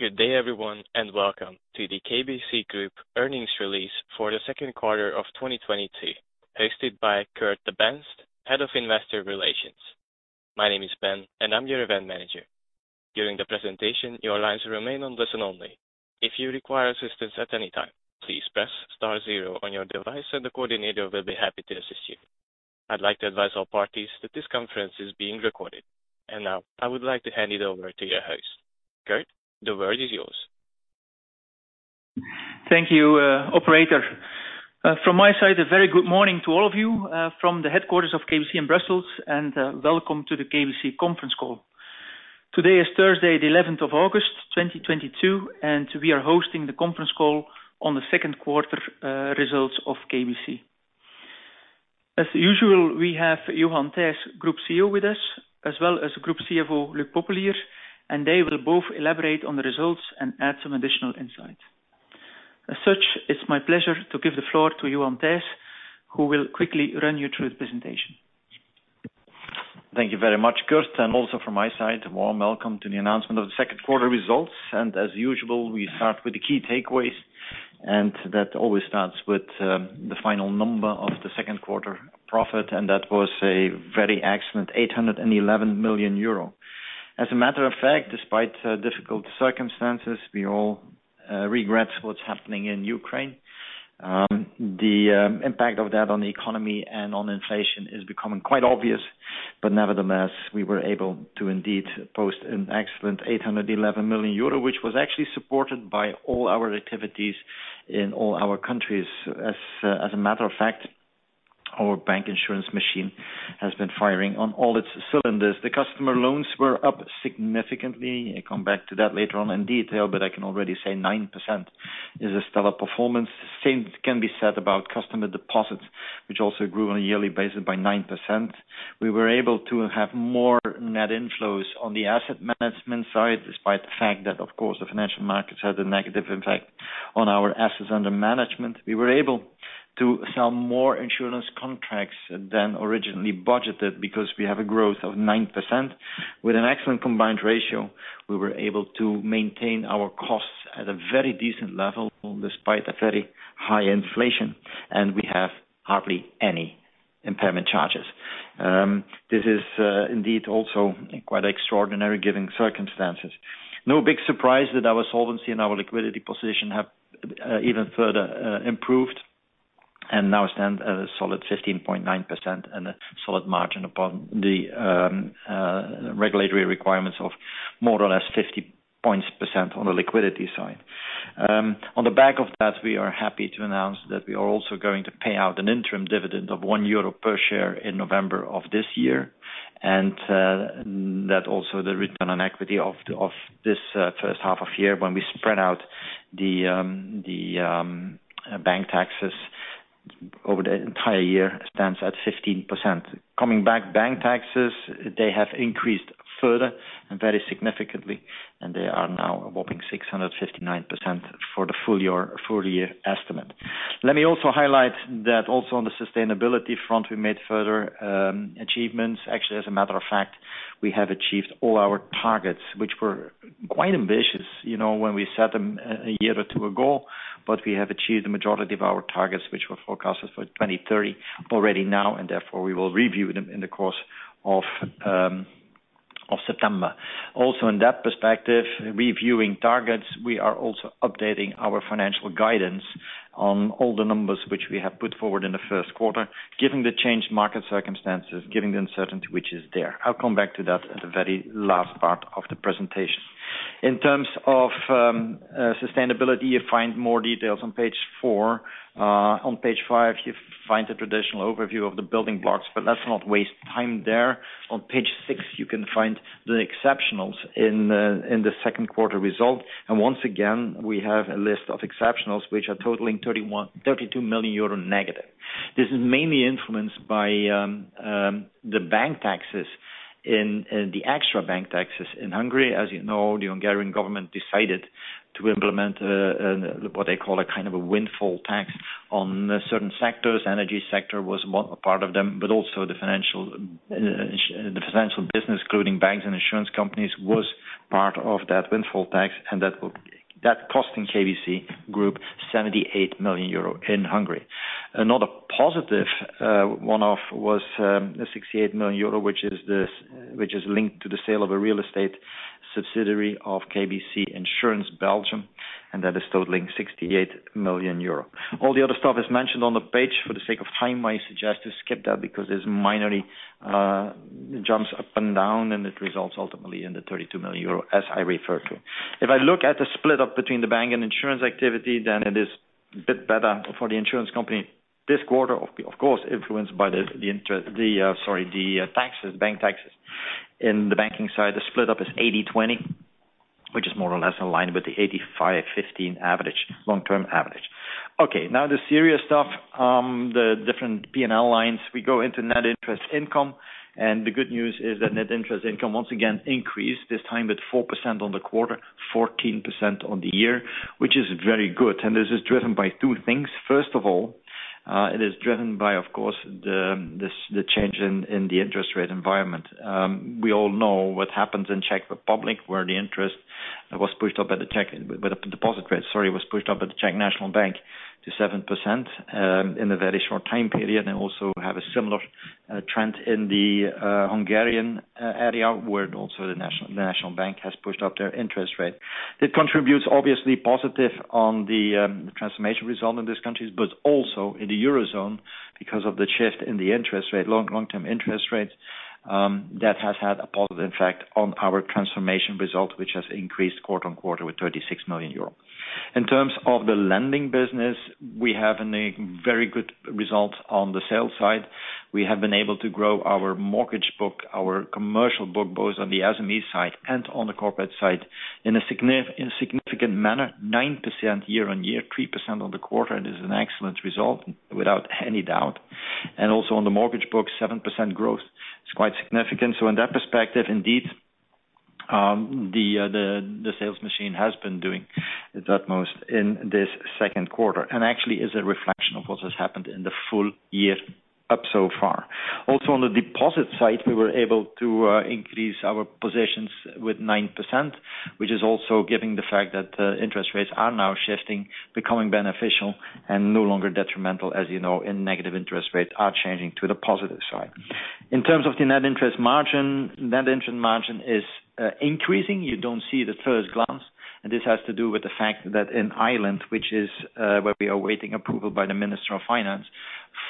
Good day everyone, and welcome to the KBC Group earnings release for the second quarter of 2022, hosted by Kurt De Baenst, Head of Investor Relations. My name is Ben, and I'm your event manager. During the presentation, your lines remain on listen only. If you require assistance at any time, please press star zero on your device and the coordinator will be happy to assist you. I'd like to advise all parties that this conference is being recorded. Now I would like to hand it over to your host. Kurt, the word is yours. Thank you, operator. From my side, a very good morning to all of you, from the headquarters of KBC in Brussels, and welcome to the KBC conference call. Today is Thursday, the eleventh of August 2022, and we are hosting the conference call on the second quarter results of KBC. As usual, we have Johan Thijs, Group CEO with us, as well as Group CFO, Luc Popelier, and they will both elaborate on the results and add some additional insight. As such, it's my pleasure to give the floor to Johan Thijs, who will quickly run you through the presentation. Thank you very much, Kurt, and also from my side, a warm welcome to the announcement of the second quarter results. As usual, we start with the key takeaways, and that always starts with the final number of the second quarter profit, and that was a very excellent 811 million euro. As a matter of fact, despite difficult circumstances, we all regret what's happening in Ukraine. The impact of that on the economy and on inflation is becoming quite obvious. Nevertheless, we were able to indeed post an excellent 811 million euro, which was actually supported by all our activities in all our countries. As a matter of fact, our bank insurance machine has been firing on all its cylinders. The customer loans were up significantly. I come back to that later on in detail, but I can already say 9% is a stellar performance. Same can be said about customer deposits, which also grew on a yearly basis by 9%. We were able to have more net inflows on the asset management side, despite the fact that, of course, the financial markets had a negative impact on our assets under management. We were able to sell more insurance contracts than originally budgeted because we have a growth of 9%. With an excellent combined ratio, we were able to maintain our costs at a very decent level despite a very high inflation, and we have hardly any impairment charges. This is indeed also quite extraordinary given circumstances. No big surprise that our solvency and our liquidity position have even further improved and now stand at a solid 15.9% and a solid margin above the regulatory requirements of more or less 50 percentage points on the liquidity side. On the back of that, we are happy to announce that we are also going to pay out an interim dividend of 1 euro per share in November of this year. That also the return on equity of this first half of the year when we spread out the bank taxes over the entire year stands at 15%. Coming back to bank taxes, they have increased further and very significantly, and they are now a whopping 659 million for the full year estimate. Let me highlight that on the sustainability front, we made further achievements. Actually, as a matter of fact, we have achieved all our targets, which were quite ambitious, you know, when we set them a year or two ago. We have achieved the majority of our targets, which were forecasted for 2030 already now, and therefore we will review them in the course of September. Also, in that perspective, reviewing targets, we are also updating our financial guidance on all the numbers which we have put forward in the first quarter, given the changed market circumstances, given the uncertainty which is there. I'll come back to that at the very last part of the presentation. In terms of sustainability, you find more details on page four. On page five, you find the traditional overview of the building blocks, but let's not waste time there. On page six, you can find the exceptionals in the second quarter result. Once again, we have a list of exceptionals which are totaling 31-32 million euro negative. This is mainly influenced by the bank taxes, the extra bank taxes in Hungary. As you know, the Hungarian government decided to implement what they call a kind of a windfall tax on certain sectors. Energy sector was part of them, but also the financial business, including banks and insurance companies, was part of that windfall tax, and that cost in KBC Group 78 million euro in Hungary. Another positive one-off was a 68 million euro, which is linked to the sale of a real estate subsidiary of KBC Insurance Belgium, and that is totaling 68 million euro. All the other stuff is mentioned on the page. For the sake of time, I suggest you skip that because it's minor jumps up and down, and it results ultimately in the 32 million euro, as I referred to. If I look at the split up between the bank and insurance activity, then it is a bit better for the insurance company this quarter of course, influenced by the taxes, bank taxes. In the banking side, the split up is 80-20, which is more or less in line with the 85/15 average, long-term average. Okay, now the serious stuff, the different P&L lines. We go into net interest income, and the good news is that net interest income once again increased, this time with 4% on the quarter, 14% on the year, which is very good. This is driven by two things. First of all, it is driven by, of course, the change in the interest rate environment. We all know what happens in the Czech Republic, where the deposit rate was pushed up by the Czech National Bank to 7% in a very short time period. We also have a similar trend in Hungary, where the Hungarian National Bank has also pushed up their interest rate. It contributes obviously positively to the transformation result in these countries, but also in the Eurozone because of the shift in the interest rate, long-term interest rates, that has had a positive impact on our transformation result, which has increased quarter-on-quarter by 36 million euro. In terms of the lending business, we have a very good result on the sales side. We have been able to grow our mortgage book, our commercial book, both on the SME side and on the corporate side in a significant manner, 9% year-on-year, 3% quarter-on-quarter. It is an excellent result without any doubt. Also on the mortgage book, 7% growth is quite significant. In that perspective, indeed, the sales machine has been doing its utmost in this second quarter, and actually is a reflection of what has happened in the full year up so far. Also on the deposit side, we were able to increase our positions with 9%, which is also giving the fact that interest rates are now shifting, becoming beneficial and no longer detrimental, as you know, and negative interest rates are changing to the positive side. In terms of the Net Interest Margin, Net Interest Margin is increasing. You don't see it at first glance, and this has to do with the fact that in Ireland, which is where we are awaiting approval by the Minister of Finance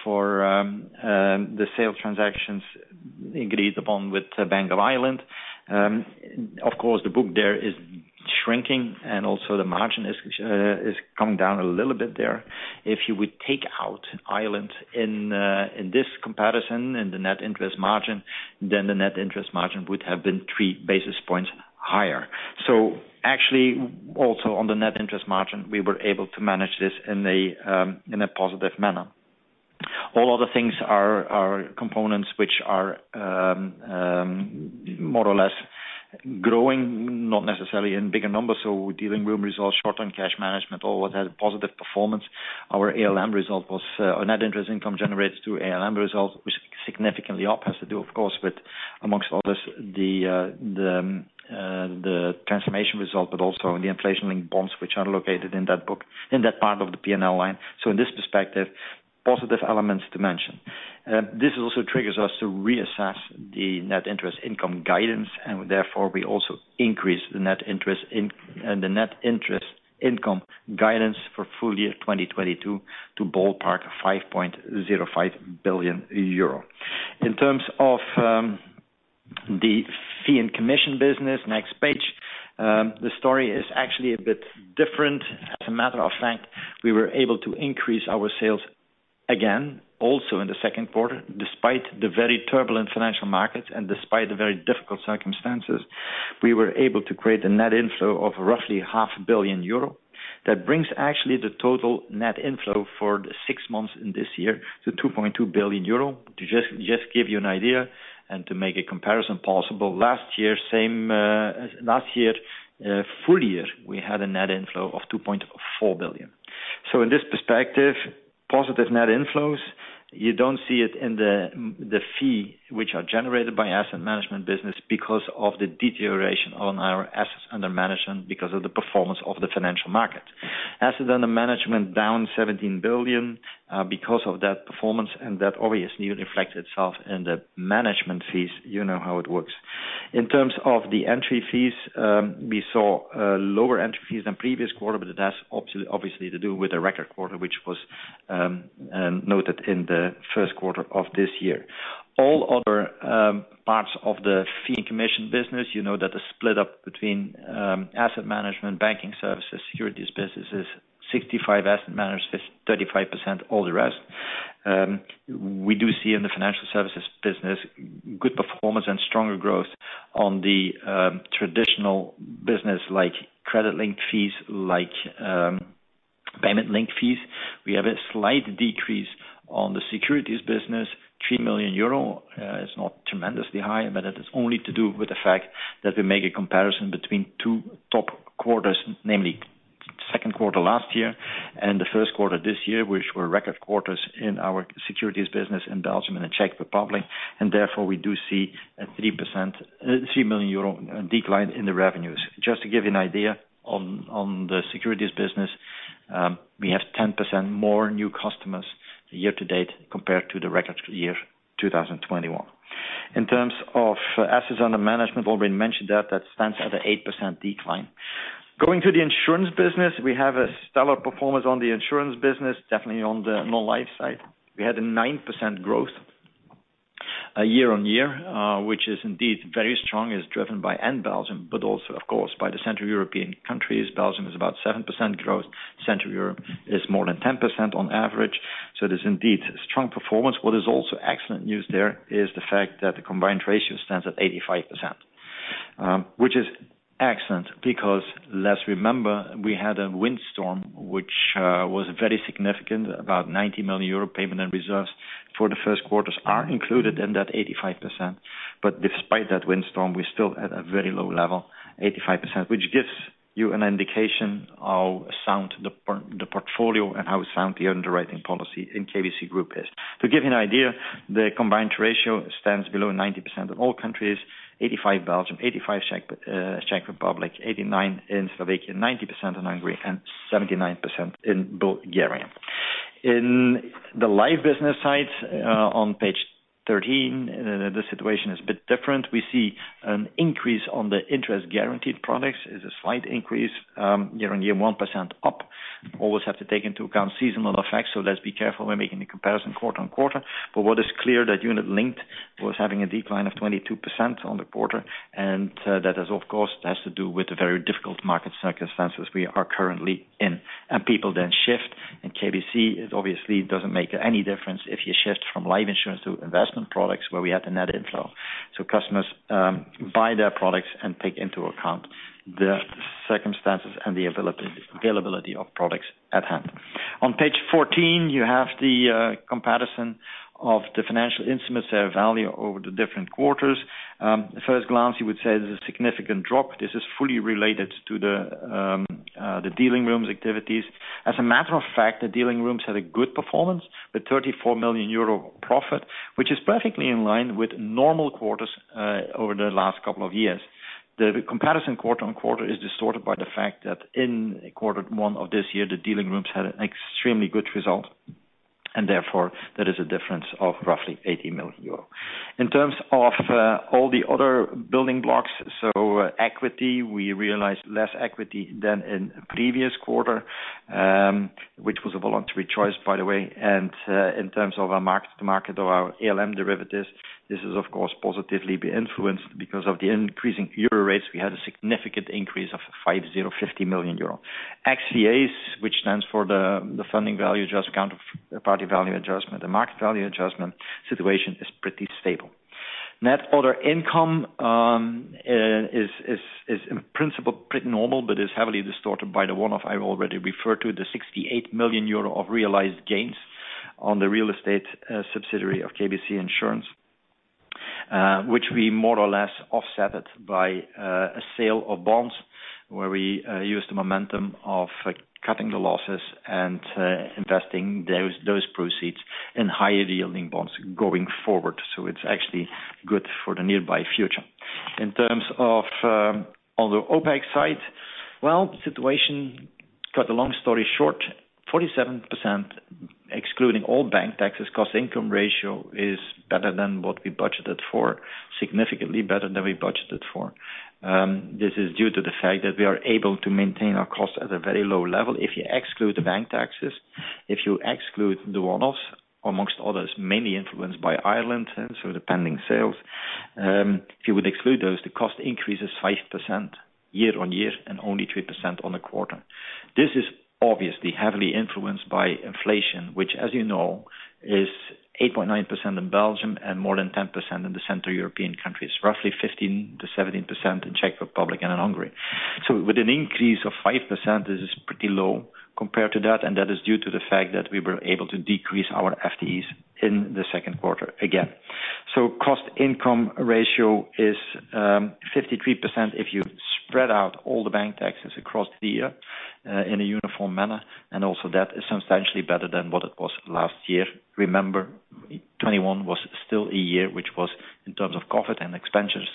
for the sale transactions agreed upon with the Bank of Ireland. Of course, the book there is shrinking and also the margin is coming down a little bit there. If you would take out Ireland in this comparison in the net interest margin, then the net interest margin would have been three basis points higher. Actually also on the net interest margin, we were able to manage this in a positive manner. All other things are components which are more or less growing, not necessarily in bigger numbers. Dealing room results, short-term cash management, all that had positive performance. Our ALM result was our net interest income generates through ALM results, which is significantly up. Has to do, of course, with among others, the transformation result, but also the inflation-linked bonds which are located in that book, in that part of the P&L line. In this perspective, positive elements to mention. This also triggers us to reassess the net interest income guidance, and therefore we also increase the net interest income guidance for full year 2022 to ballpark 5.05 billion euro. In terms of the fee and commission business, next page, the story is actually a bit different. As a matter of fact, we were able to increase our sales again also in the second quarter. Despite the very turbulent financial markets and despite the very difficult circumstances, we were able to create a net inflow of roughly half a billion EUR. That brings actually the total net inflow for the six months in this year to 2.2 billion euro. To just give you an idea and to make a comparison possible, last year full year, we had a net inflow of 2.4 billion. In this perspective, positive net inflows, you don't see it in the fee which are generated by asset management business because of the deterioration on our assets under management because of the performance of the financial market. Assets under management down 17 billion because of that performance and that obviously reflects itself in the management fees. You know how it works. In terms of the entry fees, we saw lower entry fees than previous quarter, but it has obviously to do with the record quarter, which was noted in the first quarter of this year. All other parts of the fee and commission business, you know that the split up between asset management, banking services, securities businesses, 65% asset management, 35% all the rest. We do see in the financial services business good performance and stronger growth on the traditional business like credit linked fees, like payment linked fees. We have a slight decrease on the securities business. 3 million euro is not tremendously high, but it is only to do with the fact that we make a comparison between two top quarters, namely second quarter last year and the first quarter this year, which were record quarters in our securities business in Belgium and the Czech Republic. Therefore, we do see a 3%, 3 million euro decline in the revenues. Just to give you an idea on the securities business, we have 10% more new customers year to date compared to the record year, 2021. In terms of assets under management, already mentioned that stands at an 8% decline. Going to the insurance business, we have a stellar performance on the insurance business, definitely on the non-life side. We had a 9% growth year-on-year, which is indeed very strong. It's driven by in Belgium, but also of course by the Central European countries. Belgium is about 7% growth. Central Europe is more than 10% on average. It is indeed strong performance. What is also excellent news there is the fact that the combined ratio stands at 85%, which is excellent because let's remember, we had a windstorm which was very significant, about 90 million euro payment and reserves for the first quarter are included in that 85%, but despite that windstorm, we're still at a very low level, 85%, which gives you an indication how sound the portfolio and how sound the underwriting policy in KBC Group is. To give you an idea, the combined ratio stands below 90% in all countries, 85% Belgium, 85% Czech Republic, 89% in Slovakia, 90% in Hungary, and 79% in Bulgaria. In the life business side, on page 13, the situation is a bit different. We see an increase on the interest-guaranteed products. It's a slight increase, year-on-year 1% up. Always have to take into account seasonal effects, so let's be careful when making the comparison quarter-over-quarter. What is clear that unit-linked was having a decline of 22% on the quarter, and, that is of course, has to do with the very difficult market circumstances we are currently in. People then shift, and KBC, it obviously doesn't make any difference if you shift from life insurance to investment products where we have the net inflow. Customers buy their products and take into account the circumstances and the availability of products at hand. On page 14, you have the comparison of the financial instruments share value over the different quarters. First glance, you would say there's a significant drop. This is fully related to the dealing rooms activities. As a matter of fact, the dealing rooms had a good performance with 34 million euro profit, which is perfectly in line with normal quarters over the last couple of years. The comparison quarter-on-quarter is distorted by the fact that in quarter one of this year, the dealing rooms had an extremely good result, and therefore, there is a difference of roughly 80 million euro. In terms of all the other building blocks, so equity, we realized less equity than in previous quarter, which was a voluntary choice, by the way. In terms of our mark-to-market or our ALM derivatives, this is of course positively be influenced. Because of the increasing euro rates, we had a significant increase of 50 million euro. XVAs, which stands for counterparty value adjustment, the market value adjustment situation is pretty stable. Net other income is in principle pretty normal, but is heavily distorted by the one-off I already referred to, the 68 million euro of realized gains on the real estate subsidiary of KBC Insurance, which we more or less offset by a sale of bonds where we used the momentum of cutting the losses and investing those proceeds in higher yielding bonds going forward. It's actually good for the near future. In terms of on the OpEx side, well, cut a long story short, 47% excluding all bank taxes, cost income ratio is better than what we budgeted for, significantly better than we budgeted for. This is due to the fact that we are able to maintain our cost at a very low level. If you exclude the bank taxes, if you exclude the one-offs, among others, mainly influenced by Ireland, and so the pending sales, if you would exclude those, the cost increase is 5% year-on-year and only 3% quarter-on-quarter. This is obviously heavily influenced by inflation, which, as you know, is 8.9% in Belgium and more than 10% in the Central European countries, roughly 15%-17% in Czech Republic and in Hungary. With an increase of 5%, this is pretty low compared to that, and that is due to the fact that we were able to decrease our FTEs in the second quarter again. Cost income ratio is 53% if you spread out all the bank taxes across the year in a uniform manner, and also that is substantially better than what it was last year. Remember, 2021 was still a year which was, in terms of profit and expenses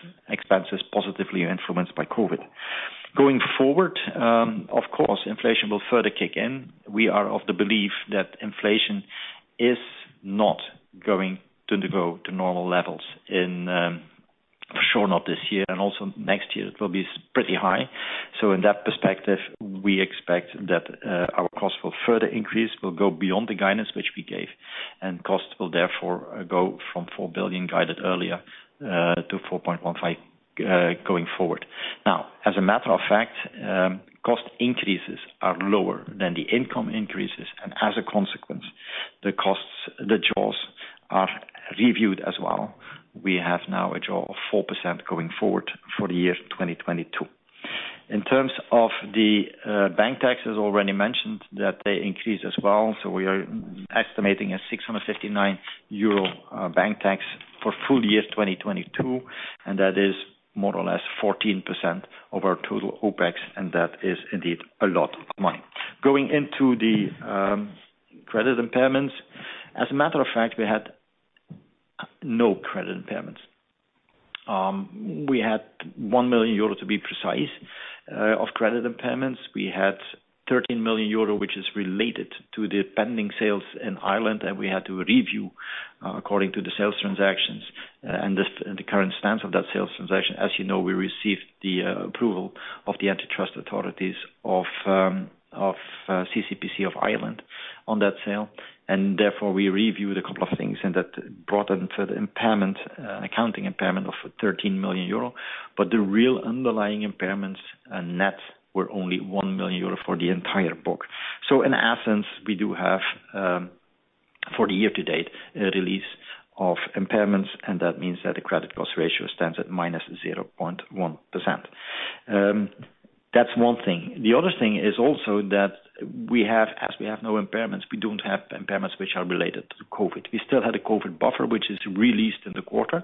positively influenced by COVID. Going forward, of course, inflation will further kick in. We are of the belief that inflation is not going to go to normal levels in, for sure not this year and also next year it will be still pretty high. In that perspective, we expect that our costs will further increase, will go beyond the guidance which we gave, and costs will therefore go from 4 billion guided earlier to 4.15 billion going forward. Now, as a matter of fact, cost increases are lower than the income increases, and as a consequence, the costs, the jaws are reviewed as well. We have now a jaws of 4% going forward for the year 2022. In terms of the bank taxes already mentioned that they increase as well. We are estimating a 659 million euro bank tax for full year 2022, and that is more or less 14% of our total OPEX, and that is indeed a lot of money. Going into the credit impairments. As a matter of fact, we had no credit impairments. We had 1 million euro to be precise of credit impairments. We had 13 million euro, which is related to the pending sales in Ireland that we had to review, according to the sales transactions, and this the current stance of that sales transaction. As you know, we received the approval of the antitrust authorities of CCPC of Ireland on that sale, and therefore we reviewed a couple of things, and that brought into the impairment, accounting impairment of 13 million euro. The real underlying impairments and net were only 1 million euro for the entire book. In essence, we do have, for the year to date, a release of impairments, and that means that the credit cost ratio stands at -0.1%. That's one thing. The other thing is also that, as we have no impairments, we don't have impairments which are related to COVID. We still had a COVID buffer, which is released in the quarter,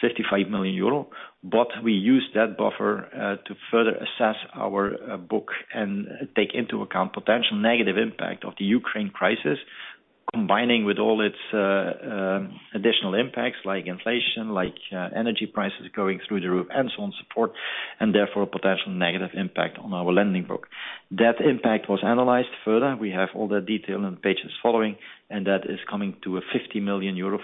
55 million euro, but we used that buffer to further assess our book and take into account potential negative impact of the Ukraine crisis, combining with all its additional impacts like inflation, like energy prices going through the roof, and so on, support, and therefore, potential negative impact on our lending book. That impact was analyzed further. We have all the detail on pages following, and that is coming to a 50 million euro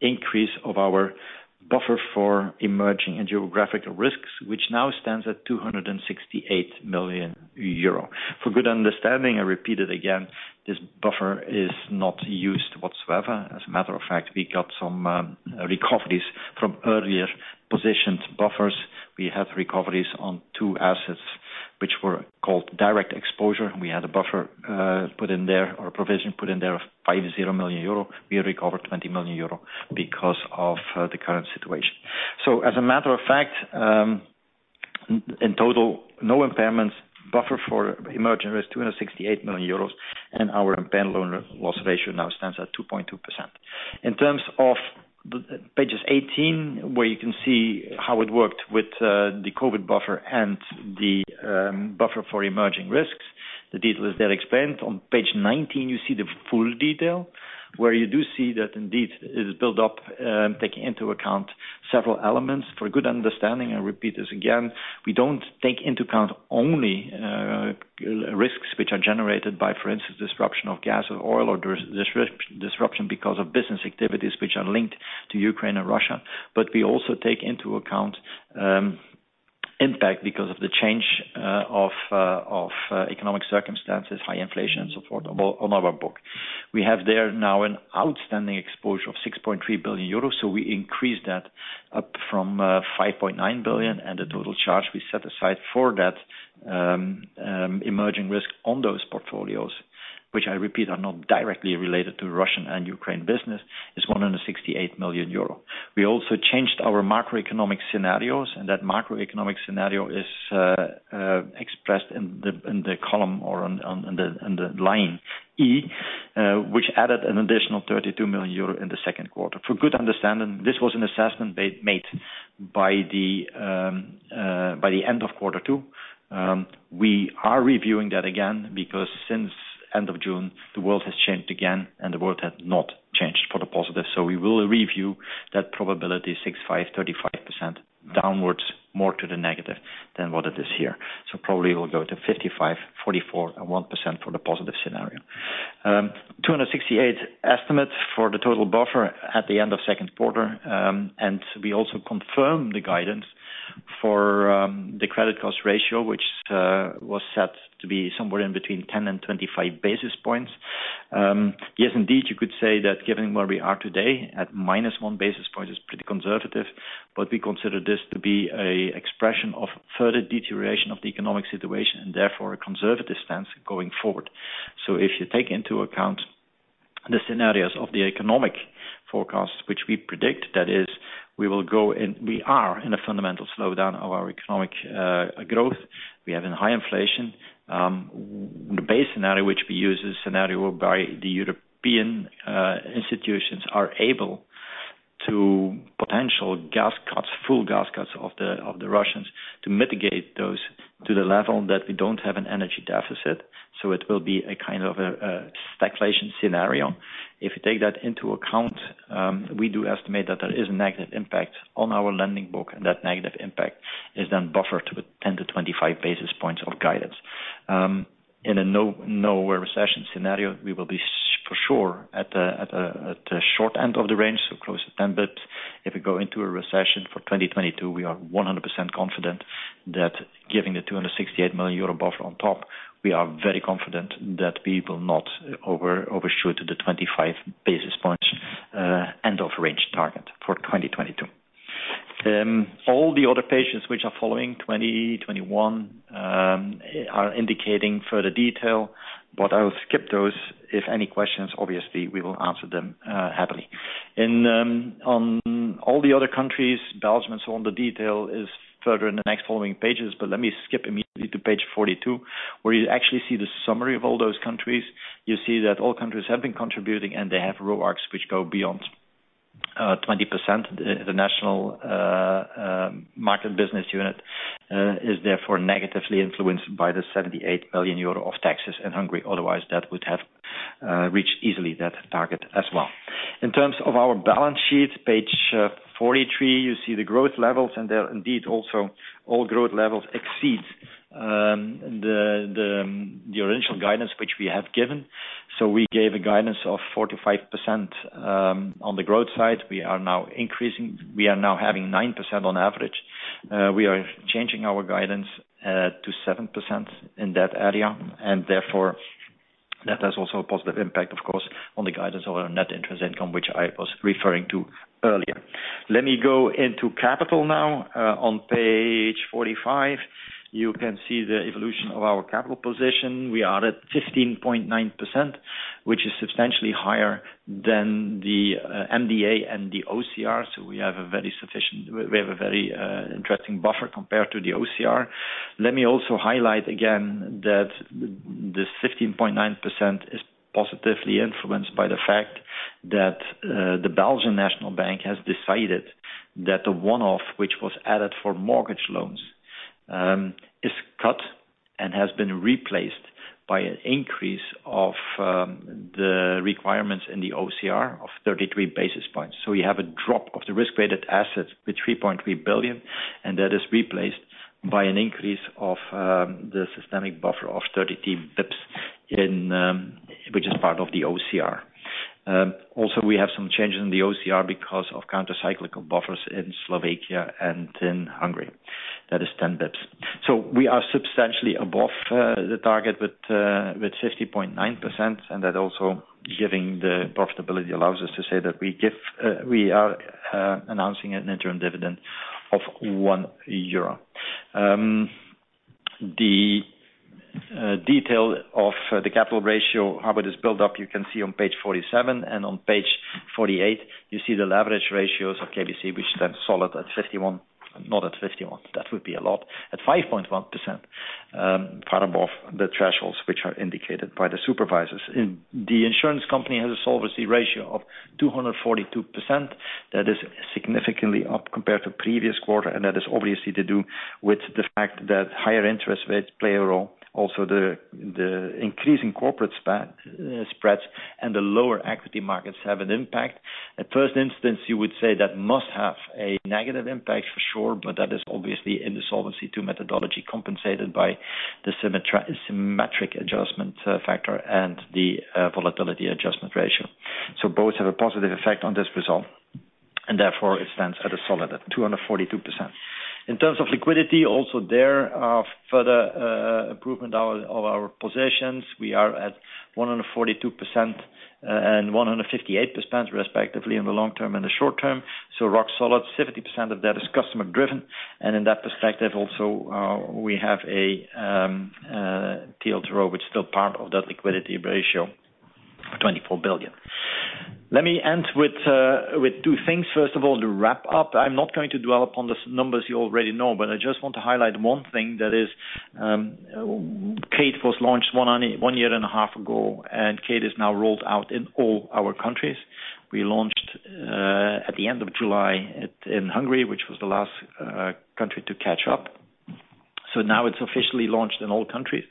increase of our buffer for emerging and geographic risks, which now stands at 268 million euro. For good understanding, I repeat it again, this buffer is not used whatsoever. As a matter of fact, we got some recoveries from earlier positioned buffers. We had recoveries on two assets which were called direct exposure, and we had a buffer put in there or a provision put in there of 50 million euro. We recovered 20 million euro because of the current situation. As a matter of fact, in total, no impairments, buffer for emerging risk, 268 million euros, and our Impaired Loan Loss Ratio now stands at 2.2%. In terms of the pages 18, where you can see how it worked with the COVID buffer and the buffer for emerging risks. The detail is there explained. On page 19, you see the full detail where you do see that indeed it is built up, taking into account several elements. For good understanding, I repeat this again: we don't take into account only risks which are generated by, for instance, disruption of gas or oil or disruption because of business activities which are linked to Ukraine and Russia, but we also take into account impact because of the change of economic circumstances, high inflation and so forth on our book. We have there now an outstanding exposure of 6.3 billion euros, so we increased that up from 5.9 billion, and the total charge we set aside for that emerging risk on those portfolios, which I repeat, are not directly related to Russia and Ukraine business, is 168 million euro. We also changed our macroeconomic scenarios, and that macroeconomic scenario is expressed in the column or on the line E, which added an additional 32 million euro in the second quarter. For good understanding, this was an assessment made by the end of quarter two. We are reviewing that again because since end of June, the world has changed again, and the world has not changed for the positive. We will review that probability 65, 35% downwards more to the negative than what it is here. Probably we'll go to 55, 44, and 1% for the positive scenario. 268 estimate for the total buffer at the end of second quarter, and we also confirm the guidance for the Credit Cost Ratio, which was set to be somewhere between 10 and 25 basis points. Yes, indeed, you could say that given where we are today at -1 basis point is pretty conservative, but we consider this to be an expression of further deterioration of the economic situation and therefore a conservative stance going forward. If you take into account the scenarios of the economic forecast, which we predict, that is we are in a fundamental slowdown of our economic growth. We have high inflation. The base scenario which we use is scenario by the European institutions are able to potential gas cuts, full gas cuts from the Russians to mitigate those to the level that we don't have an energy deficit. It will be a kind of stagflation scenario. If you take that into account, we do estimate that there is a negative impact on our lending book, and that negative impact is then buffered with 10-25 basis points of guidance. In a no recession scenario, we will be for sure at the short end of the range, so close to 10. If we go into a recession for 2022, we are 100% confident that giving the 268 million euro buffer on top, we are very confident that we will not overshoot the 25 basis points end of range target for 2022. All the other pages which are following 2020, 2021, are indicating further detail, but I'll skip those. If any questions, obviously we will answer them happily. In all the other countries, Belgium and so on, the detail is further in the next following pages, but let me skip immediately to page 42, where you actually see the summary of all those countries. You see that all countries have been contributing, and they have ROACs which go beyond 20%. The national market business unit is therefore negatively influenced by the 78 million euro of taxes in Hungary. Otherwise, that would have reached easily that target as well. In terms of our balance sheet, page 43, you see the growth levels, and they indeed also all exceed the original guidance which we have given. We gave a guidance of 4%-5% on the growth side. We are now increasing. We are now having 9% on average. We are changing our guidance to 7% in that area, and therefore, that has also a positive impact, of course, on the guidance of our net interest income which I was referring to earlier. Let me go into capital now, on page 45. You can see the evolution of our capital position. We are at 15.9%, which is substantially higher than the MDA and the OCR. We have a very interesting buffer compared to the OCR. Let me also highlight again that the 15.9% is positively influenced by the fact that the National Bank of Belgium has decided that the one-off, which was added for mortgage loans, is cut and has been replaced by an increase of the requirements in the OCR of 33 basis points. We have a drop of the risk-weighted assets with 3.3 billion, and that is replaced by an increase of the Systemic Buffer of 33 basis points in which is part of the OCR. Also, we have some changes in the OCR because of Countercyclical Buffers in Slovakia and in Hungary. That is 10 basis points. We are substantially above the target with 15.9%, and that also giving the profitability allows us to say that we are announcing an interim dividend of EUR 1. The detail of the capital ratio, how it is built up, you can see on page 47. On page 48, you see the leverage ratios of KBC, which stand solid at 51. Not at 51. That would be a lot. At 5.1%, far above the thresholds which are indicated by the supervisors. The insurance company has a solvency ratio of 242%. That is significantly up compared to previous quarter, and that is obviously to do with the fact that higher interest rates play a role. The increasing corporate spreads and the lower equity markets have an impact. At first instance, you would say that must have a negative impact for sure, but that is obviously in the Solvency II methodology compensated by the Symmetric Adjustment factor and the Volatility Adjustment. Both have a positive effect on this result, and therefore it stands at a solid 242%. In terms of liquidity, also there are further improvement of our positions. We are at 142%, and 158%, respectively, in the long term and the short term. Rock solid, 70% of that is customer driven. In that perspective, also, we have a TLTRO, which is still part of that liquidity ratio, 24 billion. Let me end with two things. First of all, to wrap up, I'm not going to dwell upon the numbers you already know, but I just want to highlight one thing that is, Kate was launched one year and a half ago, and Kate is now rolled out in all our countries. We launched at the end of July in Hungary, which was the last country to catch up. Now it's officially launched in all countries.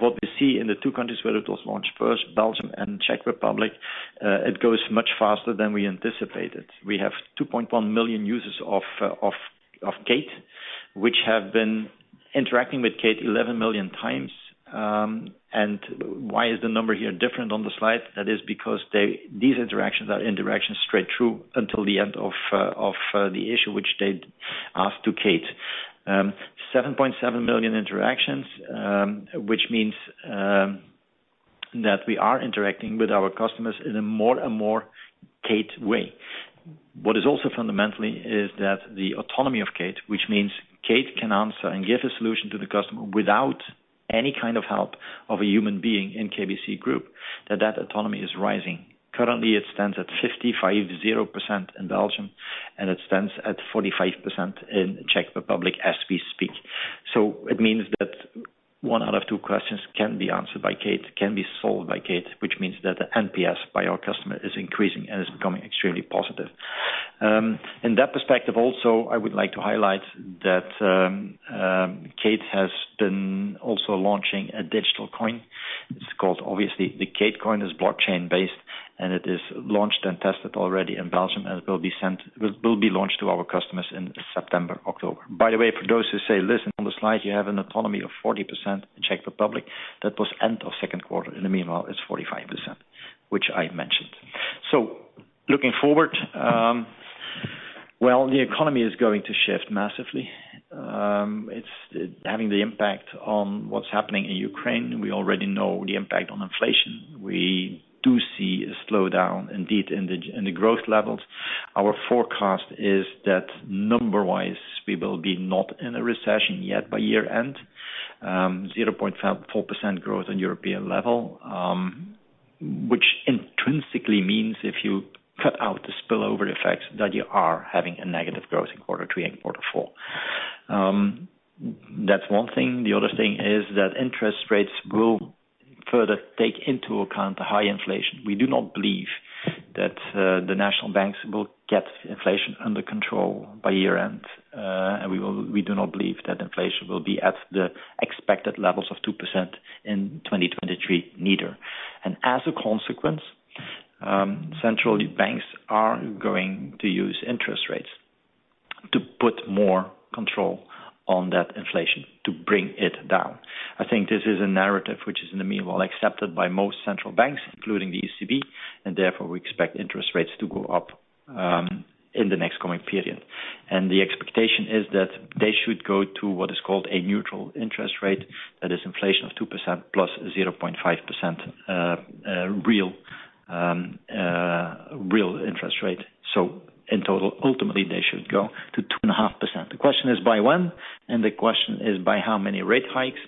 What we see in the two countries where it was launched first, Belgium and Czech Republic, it goes much faster than we anticipated. We have 2.1 million users of Kate, which have been interacting with Kate 11 million times. Why is the number here different on the slide? That is because they, these interactions are interactions straight through until the end of the issue which they'd asked to Kate. Seven point seven million interactions, which means that we are interacting with our customers in a more and more Kate way. What is also fundamentally is that the autonomy of Kate, which means Kate can answer and give a solution to the customer without any kind of help of a human being in KBC Group, that autonomy is rising. Currently, it stands at 55.0% in Belgium, and it stands at 45% in Czech Republic as we speak. It means that one out of two questions can be answered by Kate, can be solved by Kate, which means that the NPS by our customer is increasing and is becoming extremely positive. In that perspective also, I would like to highlight that, Kate has been also launching a digital coin. It's called obviously the Kate Coin is blockchain-based, and it is launched and tested already in Belgium and will be launched to our customers in September, October. By the way, for those who say, "Listen, on the slide, you have an autonomy of 40% in Czech Republic," that was end of second quarter. In the meanwhile, it's 45%, which I mentioned. Looking forward, well, the economy is going to shift massively. It's having the impact on what's happening in Ukraine. We already know the impact on inflation. We do see a slowdown indeed in the growth levels. Our forecast is that number wise, we will be not in a recession yet by year-end. 0.4% growth on European level, which intrinsically means if you cut out the spillover effects that you are having a negative growth in quarter three and quarter four. That's one thing. The other thing is that interest rates will further take into account the high inflation. We do not believe that the national banks will get inflation under control by year-end. We do not believe that inflation will be at the expected levels of 2% in 2023 neither. As a consequence, central banks are going to use interest rates to put more control on that inflation to bring it down. I think this is a narrative which is in the meanwhile accepted by most central banks, including the ECB, and therefore we expect interest rates to go up in the next coming period. The expectation is that they should go to what is called a neutral interest rate. That is inflation of 2% plus 0.5%, real interest rate. In total, ultimately they should go to 2.5%. The question is by when, and the question is by how many rate hikes.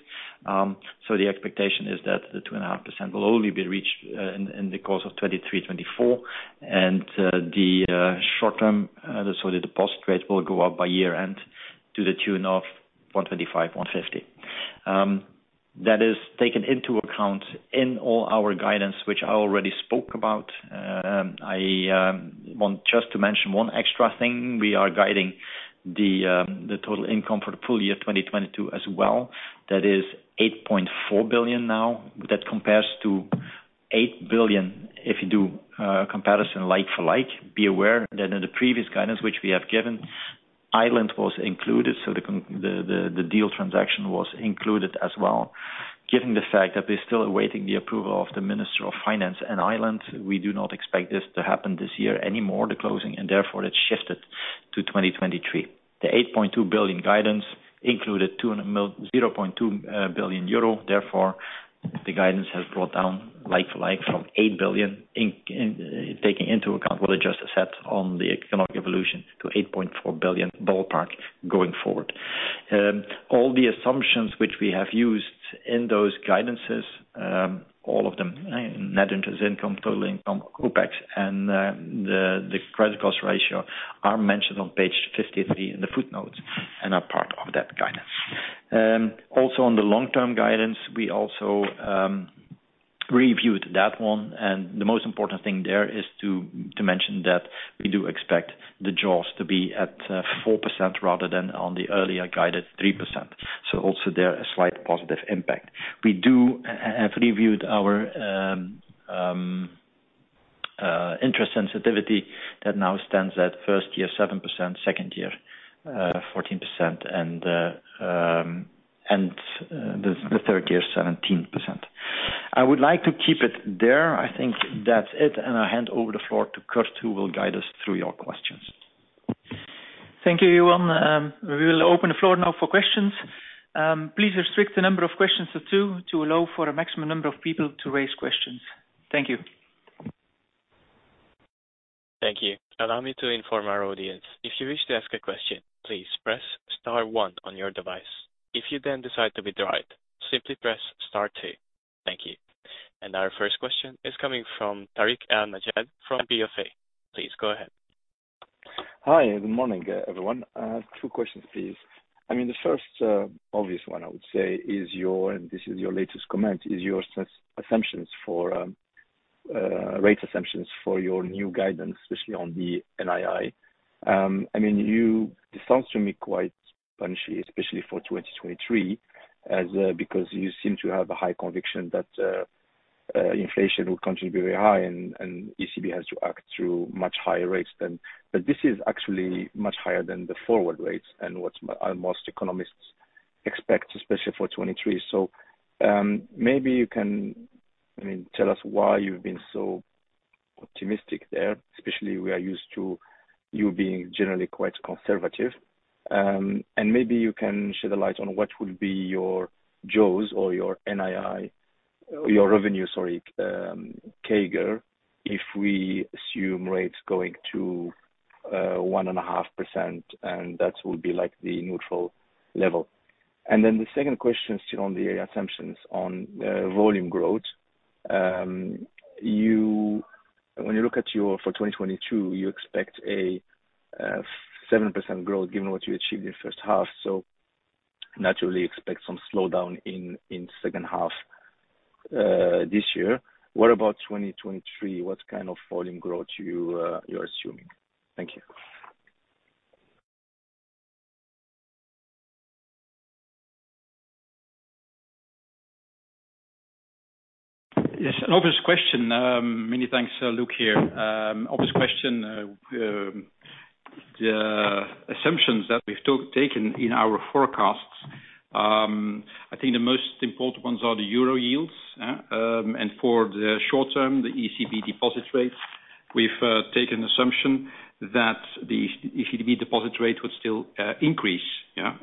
The expectation is that the 2.5% will only be reached in the course of 2023, 2024. The short-term, so the deposit rates will go up by year-end to the tune of 125, 150. That is taken into account in all our guidance, which I already spoke about. I want just to mention one extra thing. We are guiding the total income for full year 2022 as well. That is 8.4 billion now. That compares to 8 billion if you do comparison like for like. Be aware that in the previous guidance, which we have given, Ireland was included, so the deal transaction was included as well. Given the fact that we're still awaiting the approval of the Minister of Finance in Ireland, we do not expect this to happen this year anymore, the closing, and therefore it's shifted to 2023. The 8.2 billion guidance included 0.2 billion euro, therefore the guidance has brought down like for like from 8 billion taking into account what I just said on the economic evolution to 8.4 billion ballpark going forward. All the assumptions which we have used in those guidances, all of them, net interest income, total income, OpEx and the credit cost ratio are mentioned on page 53 in the footnotes and are part of that guidance. Also on the long term guidance, we also reviewed that one, and the most important thing there is to mention that we do expect the jaws to be at 4% rather than the earlier guided 3%. Also there a slight positive impact. We have reviewed our interest sensitivity that now stands at first year 7%, second year 14%, and the third year 17%. I would like to keep it there. I think that's it, and I hand over the floor to Kurt, who will guide us through your questions. Thank you, Johan. We will open the floor now for questions. Please restrict the number of questions to two to allow for a maximum number of people to raise questions. Thank you. Thank you. Allow me to inform our audience. If you wish to ask a question, please press star one on your device. If you then decide to withdraw it, simply press star two. Thank you. Our first question is coming from Tarik El Mejjad from Bank of America. Please go ahead. Hi, good morning, everyone. Two questions, please. I mean, the first obvious one I would say is your, and this is your latest comment, is your assumptions for rate assumptions for your new guidance, especially on the NII. I mean, it sounds to me quite punchy, especially for 2023, because you seem to have a high conviction that inflation will continue very high and ECB has to act through much higher rates than the forward rates and what most economists expect, especially for 2023. This is actually much higher than the forward rates and what most economists expect, especially for 2023. Maybe you can tell us why you've been so optimistic there, especially we are used to you being generally quite conservative. Maybe you can shed a light on what will be your jaws or your NII. Your revenue, sorry, CAGR, if we assume rates going to 1.5%, and that will be like the neutral level. Then the second question still on the assumptions on volume growth. When you look at your, for 2022, you expect a 7% growth given what you achieved in the first half. Naturally expect some slowdown in second half this year. What about 2023? What kind of volume growth you're assuming? Thank you. Yes, an obvious question. Many thanks, Luc here. Obvious question. The assumptions that we've taken in our forecasts, I think the most important ones are the Euro yields, and for the short term, the ECB deposit rates. We've taken assumption that the ECB deposit rate would still increase, yeah,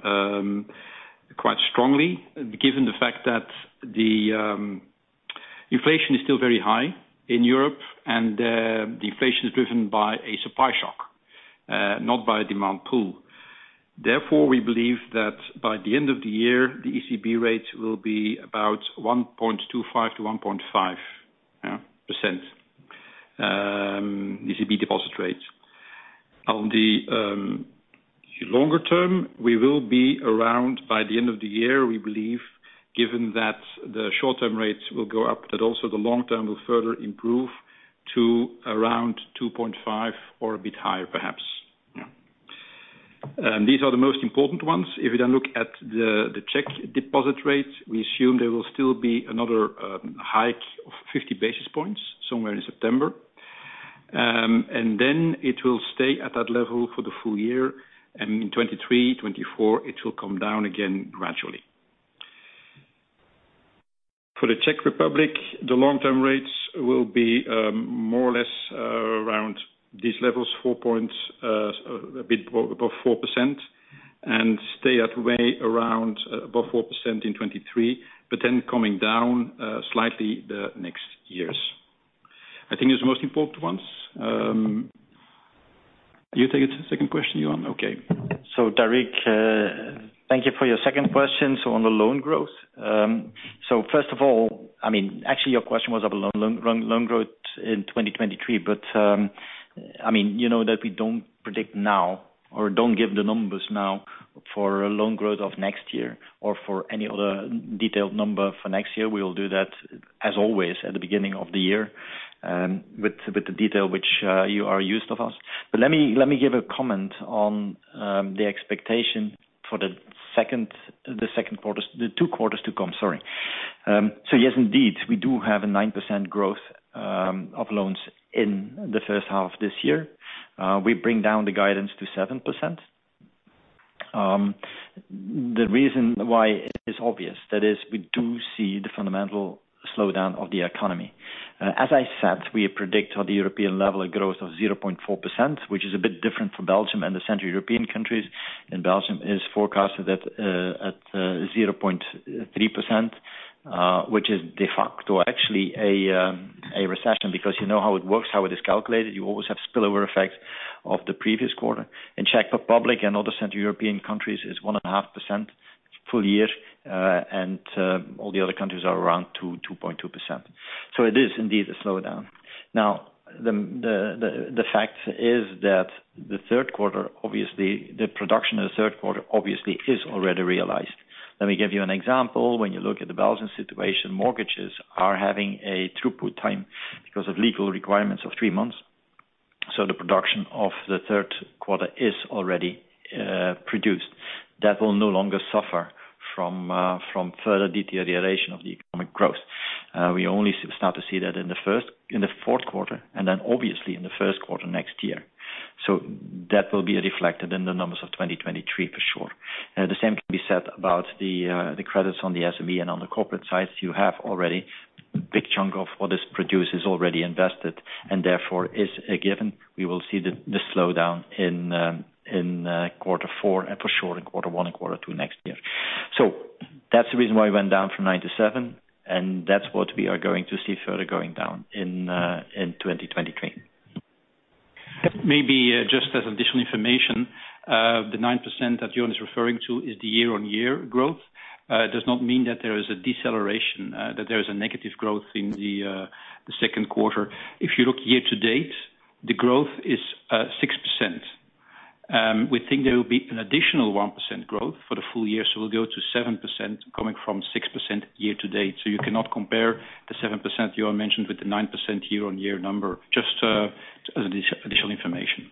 quite strongly, given the fact that the inflation is still very high in Europe and, the inflation is driven by a supply shock, not by demand pull. Therefore, we believe that by the end of the year, the ECB rate will be about 1.25%-1.5%, yeah, ECB deposit rates. On the longer term, we will be around by the end of the year, we believe, given that the short-term rates will go up, that also the long-term will further improve to around 2.5 or a bit higher perhaps, yeah. These are the most important ones. If you then look at the Czech deposit rates, we assume there will still be another hike of 50 basis points somewhere in September. Then it will stay at that level for the full year, and in 2023, 2024, it will come down again gradually. For the Czech Republic, the long-term rates will be more or less around these levels, a bit above 4%. Stay at way around above 4% in 2023, but then coming down slightly the next years. I think it's the most important ones. You take it to the second question, Johan? Okay. Tarik El Mejjad, thank you for your second question. On the loan growth, first of all, I mean, actually, your question was about loan growth in 2023. I mean, you know that we don't predict now or don't give the numbers now for a loan growth of next year or for any other detailed number for next year. We will do that, as always, at the beginning of the year, with the detail which you are used to from us. Let me give a comment on the expectation for the second quarter, the two quarters to come. Yes, indeed, we do have 9% growth of loans in the first half this year. We bring down the guidance to 7%. The reason why is obvious. That is, we do see the fundamental slowdown of the economy. As I said, we predict on the European level a growth of 0.4%, which is a bit different from Belgium and the Central European countries. Belgium is forecasted at 0.3%, which is de facto actually a recession because you know how it works, how it is calculated. You always have spillover effects of the previous quarter. In Czech Republic and other Central European countries is 1.5% full year. All the other countries are around 2.2%. So it is indeed a slowdown. Now, the fact is that the third quarter, obviously, the production of the third quarter obviously is already realized. Let me give you an example. When you look at the Belgian situation, mortgages are having a throughput time because of legal requirements of three months. The production of the third quarter is already produced. That will no longer suffer from further deterioration of the economic growth. We only start to see that in the fourth quarter and then obviously in the first quarter next year. That will be reflected in the numbers of 2023 for sure. The same can be said about the credits on the SME and on the corporate sides. You have already a big chunk of what is produced is already invested and therefore is a given. We will see the slowdown in quarter four and for sure in quarter one and quarter two next year. That's the reason why we went down from 9 to 7, and that's what we are going to see further going down in 2023. Maybe just as additional information, the 9% that Johan is referring to is the year-on-year growth. It does not mean that there is a deceleration, that there is a negative growth in the second quarter. If you look year to date, the growth is 6%. We think there will be an additional 1% growth for the full year, so we'll go to 7% coming from 6% year to date. You cannot compare the 7% Johan mentioned with the 9% year-on-year number. Just additional information.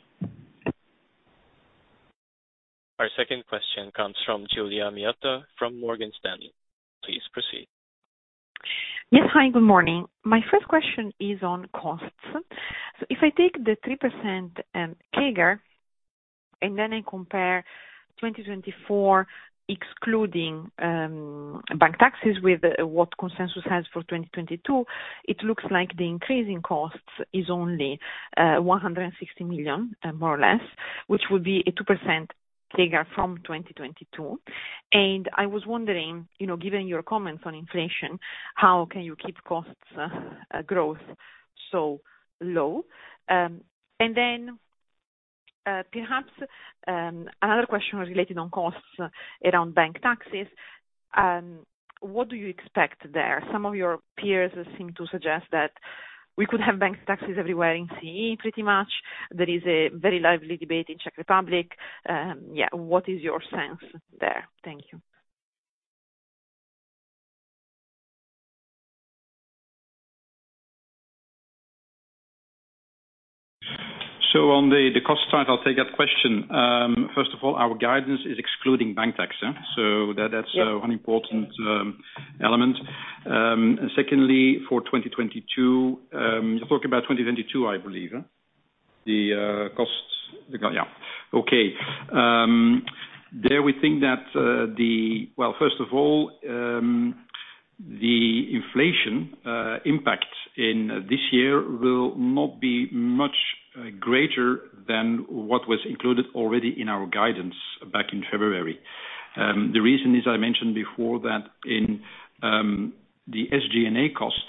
Our second question comes from Giulia Miotto from Morgan Stanley. Please proceed. Yes. Hi, good morning. My first question is on costs. If I take the 3% CAGR and then I compare 2024 excluding bank taxes with what consensus has for 2022, it looks like the increase in costs is only 160 million, more or less, which would be a 2% CAGR from 2022. I was wondering, you know, given your comments on inflation, how can you keep cost growth so low? Perhaps another question related to costs around bank taxes. What do you expect there? Some of your peers seem to suggest that we could have bank taxes everywhere in CE pretty much. There is a very lively debate in Czech Republic. Yeah, what is your sense there? Thank you. On the cost side, I'll take that question. First of all, our guidance is excluding bank tax, yeah. That's one important element. Secondly, for 2022, you're talking about 2022, I believe, the costs. Yeah. Okay. There we think that. Well, first of all, the inflation impact in this year will not be much greater than what was included already in our guidance back in February. The reason is, I mentioned before that in the SG&A costs,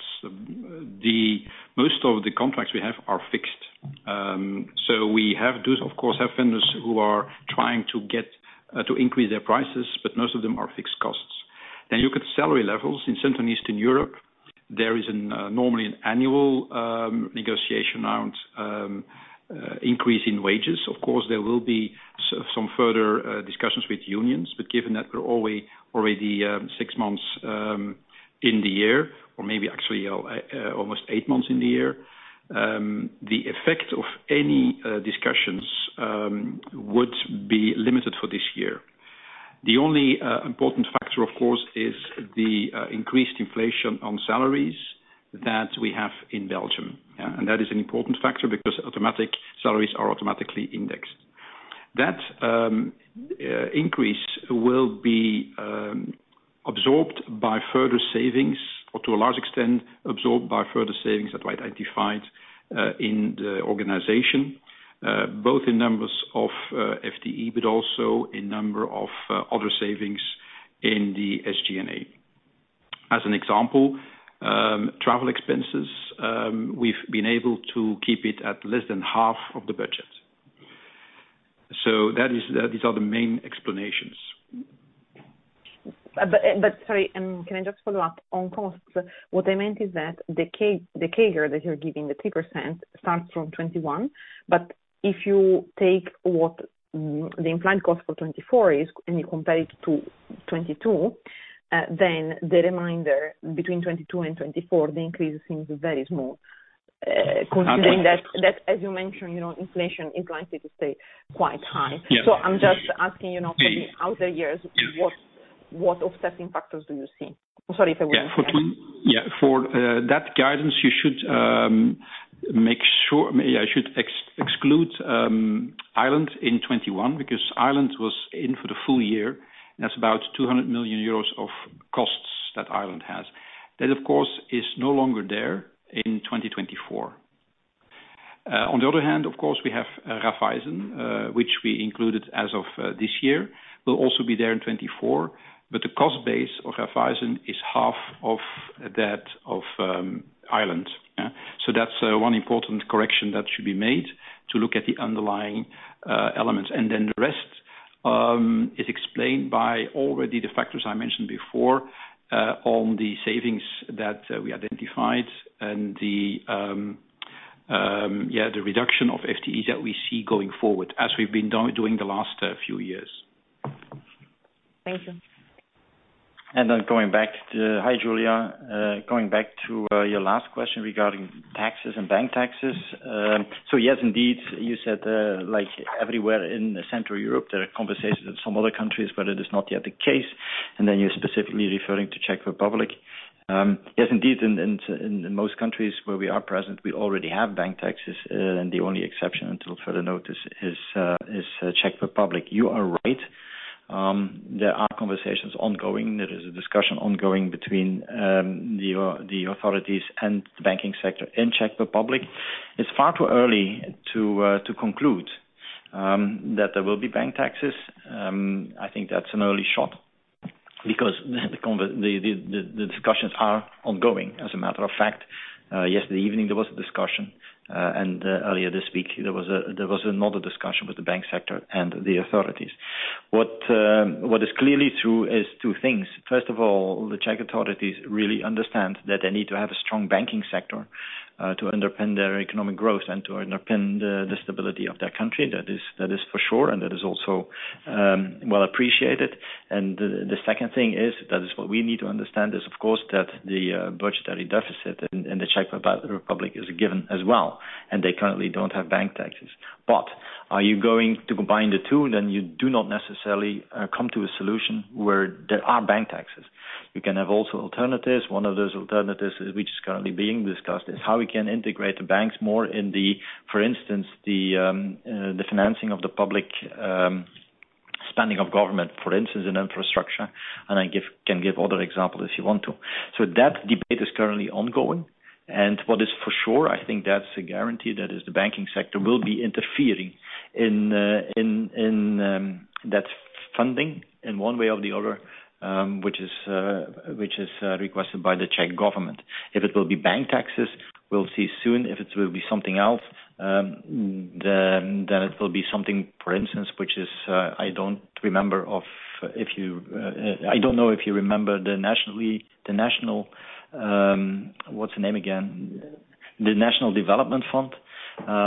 most of the contracts we have are fixed. So we have those, of course, vendors who are trying to get to increase their prices, but most of them are fixed costs. Then you look at salary levels in Central and Eastern Europe. There is normally an annual negotiation around increase in wages. Of course, there will be some further discussions with unions, but given that we're already six months in the year or maybe actually almost eight months in the year, the effect of any discussions would be limited for this year. The only important factor of course is the increased inflation on salaries that we have in Belgium. That is an important factor because salaries are automatically indexed. That increase will be Absorbed by further savings, or to a large extent absorbed by further savings that we identified in the organization, both in numbers of FTE, but also in number of other savings in the SG&A. As an example, travel expenses, we've been able to keep it at less than half of the budget. That is. These are the main explanations. Sorry, can I just follow up on costs? What I meant is that the CAGR that you're giving, the 2%, starts from 2021. If you take what the implied cost for 2024 is, and you compare it to 2022, then the remainder between 2022 and 2024, the increase seems very small. Considering that, as you mentioned, you know, inflation is likely to stay quite high. Yeah. I'm just asking, you know, for the outer years, what offsetting factors do you see? Sorry if I went. Yeah. For that guidance, you should make sure I should exclude Ireland in 2021, because Ireland was in for the full year. That's about 200 million euros of costs that Ireland has. That, of course, is no longer there in 2024. On the other hand, of course, we have Raiffeisen, which we included as of this year, will also be there in 2024, but the cost base of Raiffeisen is half of that of Ireland. Yeah. That's one important correction that should be made to look at the underlying elements. The rest is explained by already the factors I mentioned before on the savings that we identified and the yeah, the reduction of FTEs that we see going forward as we've been doing the last few years. Thank you. Hi, Giulia. Going back to your last question regarding taxes and bank taxes. Yes, indeed, you said like everywhere in Central Europe, there are conversations in some other countries, but it is not yet the case. You're specifically referring to Czech Republic. Yes, indeed, in most countries where we are present, we already have bank taxes. The only exception until further notice is Czech Republic. You are right. There are conversations ongoing. There is a discussion ongoing between the authorities and the banking sector in Czech Republic. It's far too early to conclude that there will be bank taxes. I think that's an early shot because the discussions are ongoing. As a matter of fact, yesterday evening, there was a discussion, and earlier this week, there was another discussion with the bank sector and the authorities. What is clearly true is two things. First of all, the Czech authorities really understand that they need to have a strong banking sector to underpin their economic growth and to underpin the stability of their country. That is for sure, and that is also well appreciated. The second thing is that is what we need to understand is, of course, that the budgetary deficit in the Czech Republic is a given as well, and they currently don't have bank taxes. Are you going to combine the two, then you do not necessarily come to a solution where there are bank taxes. You can have also alternatives. One of those alternatives which is currently being discussed is how we can integrate the banks more in the, for instance, the financing of the public spending of government, for instance, in infrastructure, and can give other examples if you want to. That debate is currently ongoing. What is for sure, I think that's a guarantee, that is the banking sector will be interfering in that funding in one way or the other, which is requested by the Czech government. If it will be bank taxes, we'll see soon. If it will be something else, then it will be something, for instance, which is, I don't remember of if you. I don't know if you remember the national, what's the name again? The Hungarian Development Bank,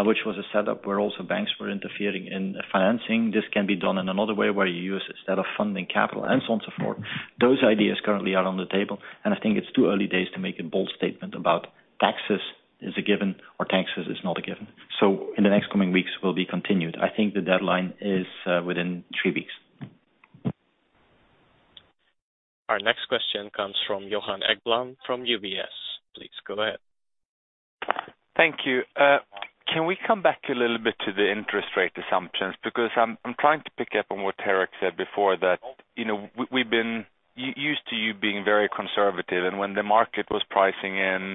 which was a setup where also banks were interfering in financing. This can be done in another way where you use instead of funding capital and so on so forth. Those ideas currently are on the table, and I think it's too early days to make a bold statement about taxes is a given or taxes is not a given. In the next coming weeks will be continued. I think the deadline is within three weeks. Our next question comes from Johan Ekblom, from UBS. Please go ahead. Thank you. Can we come back a little bit to the interest rate assumptions? Because I'm trying to pick up on what Tarik said before that, you know, we've been used to you being very conservative, and when the market was pricing in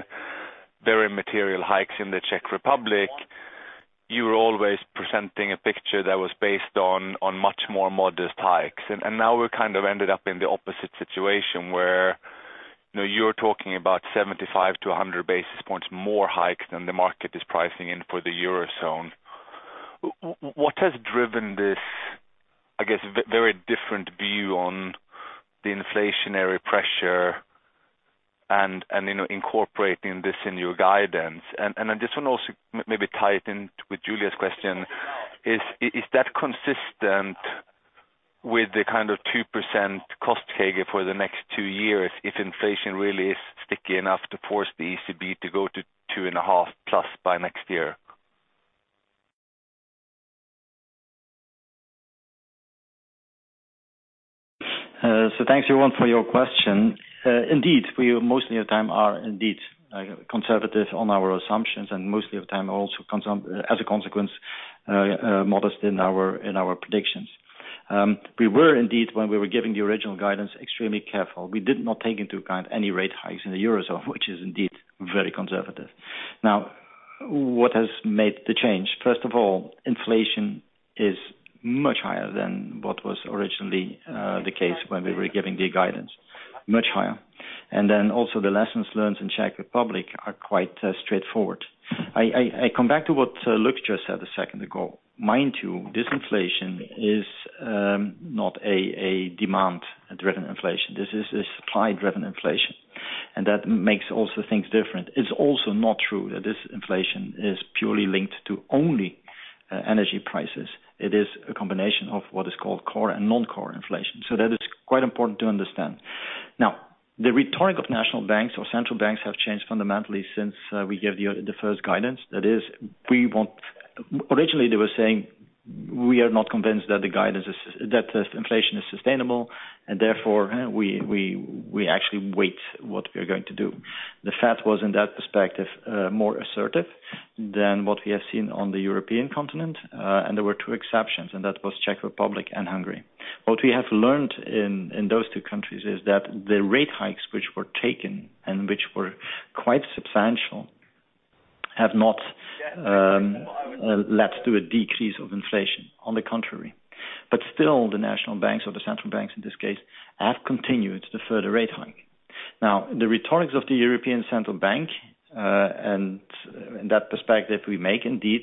very material hikes in the Czech Republic, you were always presenting a picture that was based on much more modest hikes. Now we're kind of ended up in the opposite situation where, you know, you're talking about 75-100 basis points more hike than the market is pricing in for the Eurozone. What has driven this, I guess, very different view on the inflationary pressure and, you know, incorporating this in your guidance? I just want to also maybe tie it in with Giulia's question. Is that consistent with the kind of 2% cost CAGR for the next 2 years if inflation really is sticky enough to force the ECB to go to 2.5+ by next year? Thanks, Johan, for your question. Indeed, we most of the time are indeed conservative on our assumptions, and most of the time also as a consequence modest in our predictions. We were indeed, when we were giving the original guidance, extremely careful. We did not take into account any rate hikes in the Eurozone, which is indeed very conservative. Now, what has made the change? First of all, inflation is much higher than what was originally the case when we were giving the guidance. Much higher. Then also the lessons learned in Czech Republic are quite straightforward. I come back to what Luc just said a second ago. Mind you, this inflation is not a demand-driven inflation. This is a supply-driven inflation, and that makes also things different. It's also not true that this inflation is purely linked to only energy prices. It is a combination of what is called core and non-core inflation. That is quite important to understand. Now, the rhetoric of national banks or central banks have changed fundamentally since we gave the first guidance. Originally, they were saying, "We are not convinced that the guidance is, that this inflation is sustainable, and therefore we actually wait and see what we are going to do." The Fed was, in that perspective, more assertive than what we have seen on the European continent. There were two exceptions, and that was Czech Republic and Hungary. What we have learned in those two countries is that the rate hikes which were taken, and which were quite substantial, have not led to a decrease of inflation. On the contrary. Still, the national banks or the central banks in this case have continued the further rate hike. Now, the rhetoric of the European Central Bank, and in that perspective, we make indeed,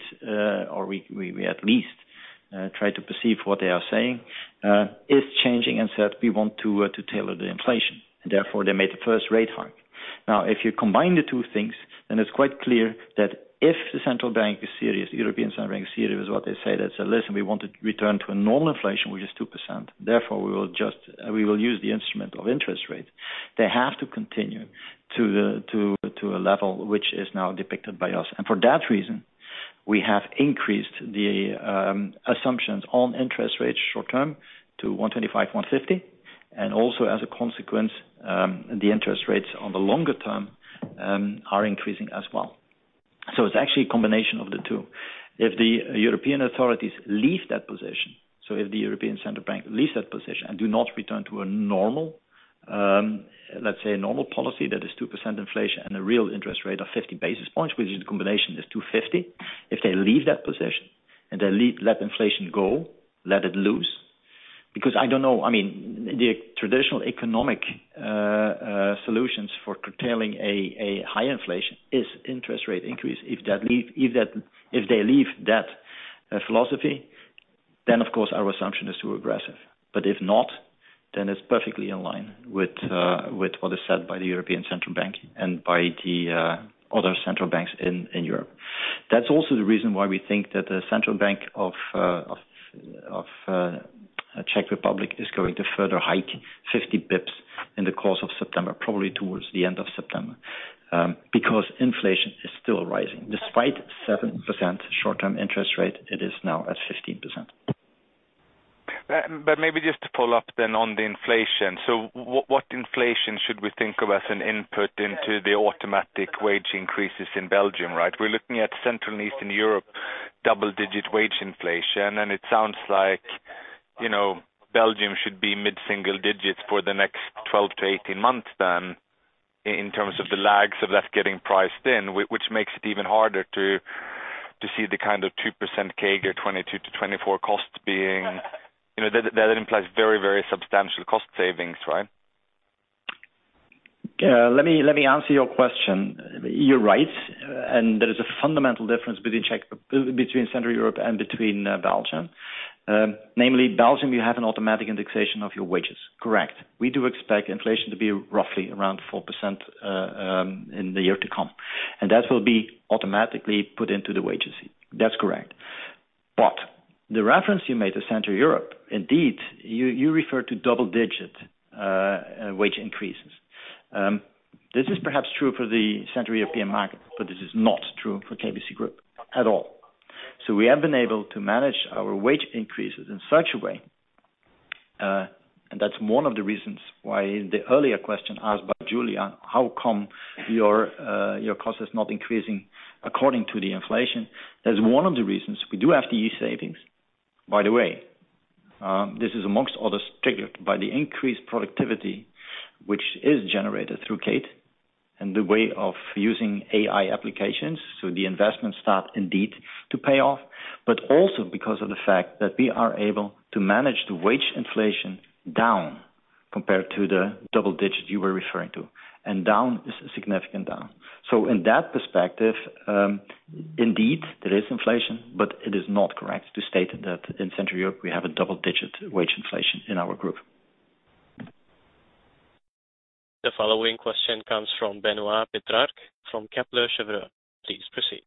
or we at least try to perceive what they are saying, is changing and said, "We want to target the inflation." Therefore, they made the first rate hike. Now, if you combine the two things, then it is quite clear that if the central bank is serious, the European Central Bank is serious what they say that, "Listen, we want to return to a normal inflation, which is 2%. Therefore we will use the instrument of interest rate." They have to continue to a level which is now depicted by us. For that reason, we have increased the assumptions on interest rates short term to 1.25, 1.50, and also as a consequence, the interest rates on the longer term are increasing as well. It's actually a combination of the two. If the European authorities leave that position, if the European Central Bank leaves that position and do not return to a normal, let's say a normal policy, that is 2% inflation and a real interest rate of 50 basis points, which is the combination is 2.50. If they leave that position and let inflation go, let it loose, because I don't know. I mean, the traditional economic solutions for curtailing a high inflation is interest rate increase. If they leave that philosophy, then of course our assumption is too aggressive. If not, then it's perfectly in line with what is said by the European Central Bank and by the other central banks in Europe. That's also the reason why we think that the Czech National Bank is going to further hike 50 basis points in the course of September, probably towards the end of September, because inflation is still rising. Despite 7% short-term interest rate, it is now at 15%. Maybe just to follow up then on the inflation. What inflation should we think of as an input into the automatic wage increases in Belgium, right? We're looking at Central and Eastern Europe double-digit wage inflation, and it sounds like, you know, Belgium should be mid-single digits for the next 12 to 18 months then in terms of the lags of less getting priced in, which makes it even harder to see the kind of 2% CAGR 2022 to 2024 costs being. You know, that implies very, very substantial cost savings, right? Let me answer your question. You're right, there is a fundamental difference between Central Europe and Belgium. Namely Belgium, you have an automatic indexation of your wages. Correct. We do expect inflation to be roughly around 4% in the year to come. That will be automatically put into the wages. That's correct. The reference you made to Central Europe, indeed, you referred to double-digit wage increases. This is perhaps true for the Central European market, but this is not true for KBC Group at all. We have been able to manage our wage increases in such a way, and that's one of the reasons why in the earlier question asked by Giulia, how come your cost is not increasing according to the inflation? That's one of the reasons we do have the e-savings. By the way, this is among others, triggered by the increased productivity which is generated through Kate and the way of using AI applications. The investments start indeed to pay off. Also because of the fact that we are able to manage the wage inflation down compared to the double digits you were referring to, and down is a significant down. In that perspective, indeed there is inflation, but it is not correct to state that in Central Europe we have a double-digit wage inflation in our group. The following question comes from Benoit Pétrarque from Kepler Cheuvreux. Please proceed.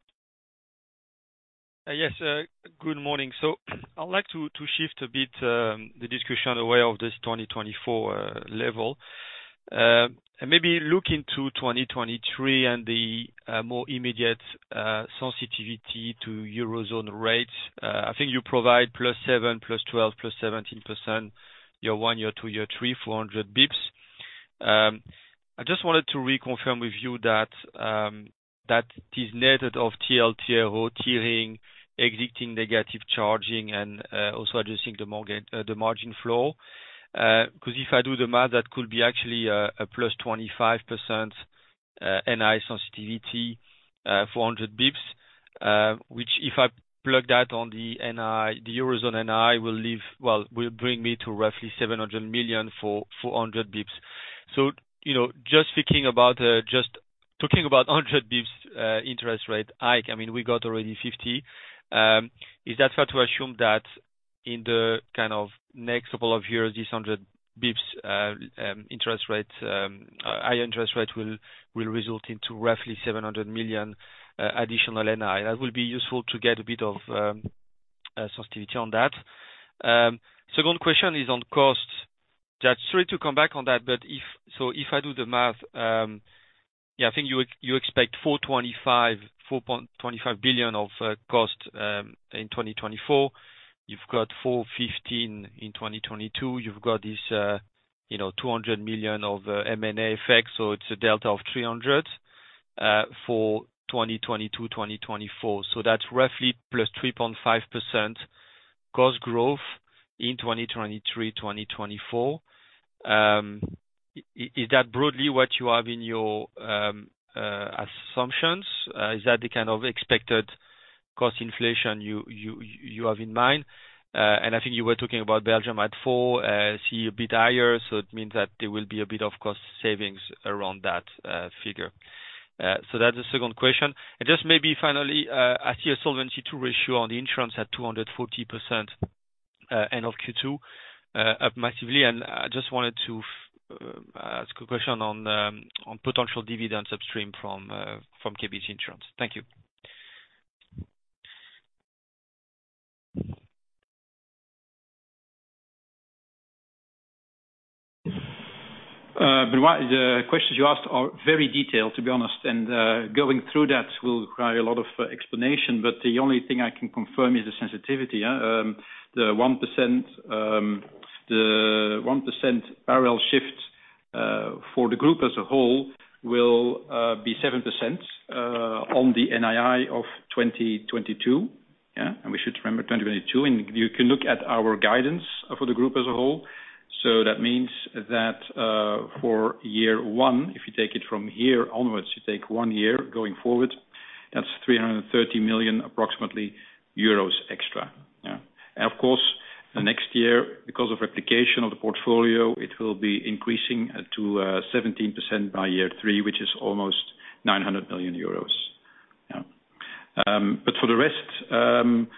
Yes. Good morning. I'd like to shift a bit the discussion away from this 2024 level and maybe look into 2023 and the more immediate sensitivity to Eurozone rates. I think you provide +7%, +12%, +17%, year 1, year 2, year 3, 400 basis points. I just wanted to reconfirm with you that this method of TLTRO tiering, exiting negative rates and also adjusting the mortgage margin flow, 'cause if I do the math, that could be actually a +25% NII sensitivity, 400 basis points, which if I plug that on the NII, the Eurozone NII will lead me to roughly 700 million for 400 basis points. Just talking about 100 basis points interest rate hike, I mean, we got already 50, is that fair to assume that in the kind of next couple of years, this 100 basis points interest rates high interest rate will result into roughly 700 million additional NII. That will be useful to get a bit of sensitivity on that. Second question is on cost. Just sorry to come back on that, but if I do the math, yeah, I think you expect 4.25 billion of cost in 2024. You've got 415 in 2022. You've got this 200 million of M&A effects, so it's a delta of 300 for 2022, 2024. That's roughly +3.5% cost growth in 2023, 2024. Is that broadly what you have in your assumptions? Is that the kind of expected cost inflation you have in mind? I think you were talking about Belgium at 4%, I see a bit higher, so it means that there will be a bit of cost savings around that figure. That's the second question. Just maybe finally, I see a Solvency II ratio on the insurance at 240%, end of Q2, up massively, and I just wanted to ask a question on the potential dividend upstream from KBC Insurance. Thank you. The questions you asked are very detailed, to be honest, and going through that will require a lot of explanation, but the only thing I can confirm is the sensitivity. The one percent parallel shift for the group as a whole will be 7% on the NII of 2022. We should remember 2022, and you can look at our guidance for the group as a whole. That means that for year one, if you take it from here onwards, you take one year going forward, that's 330 million euros, approximately, extra. Of course, the next year, because of replication of the portfolio, it will be increasing up to 17% by year three, which is almost 900 million euros. For the rest,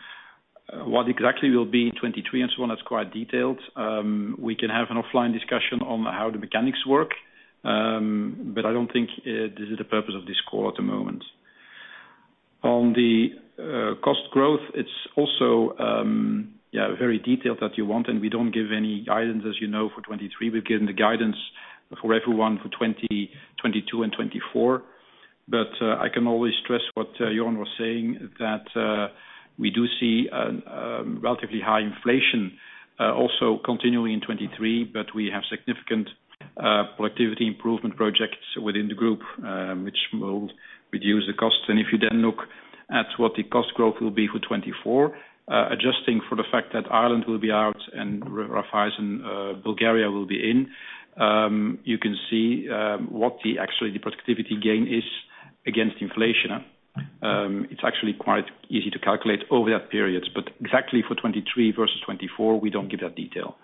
what exactly will be 2023 and so on, that's quite detailed. We can have an offline discussion on how the mechanics work, but I don't think this is the purpose of this call at the moment. On the cost growth, it's also yeah very detailed that you want, and we don't give any guidance, as you know, for 2023. We've given the guidance for everyone for 2022 and 2024. I can only stress what Johan was saying, that we do see relatively high inflation also continuing in 2023, but we have significant productivity improvement projects within the group, which will reduce the cost. If you then look at what the cost growth will be for 2024, adjusting for the fact that Ireland will be out and KBC Bank Bulgaria will be in, you can see what actually the productivity gain is against inflation. It's actually quite easy to calculate over that period. Exactly for 2023 versus 2024, we don't give that detail.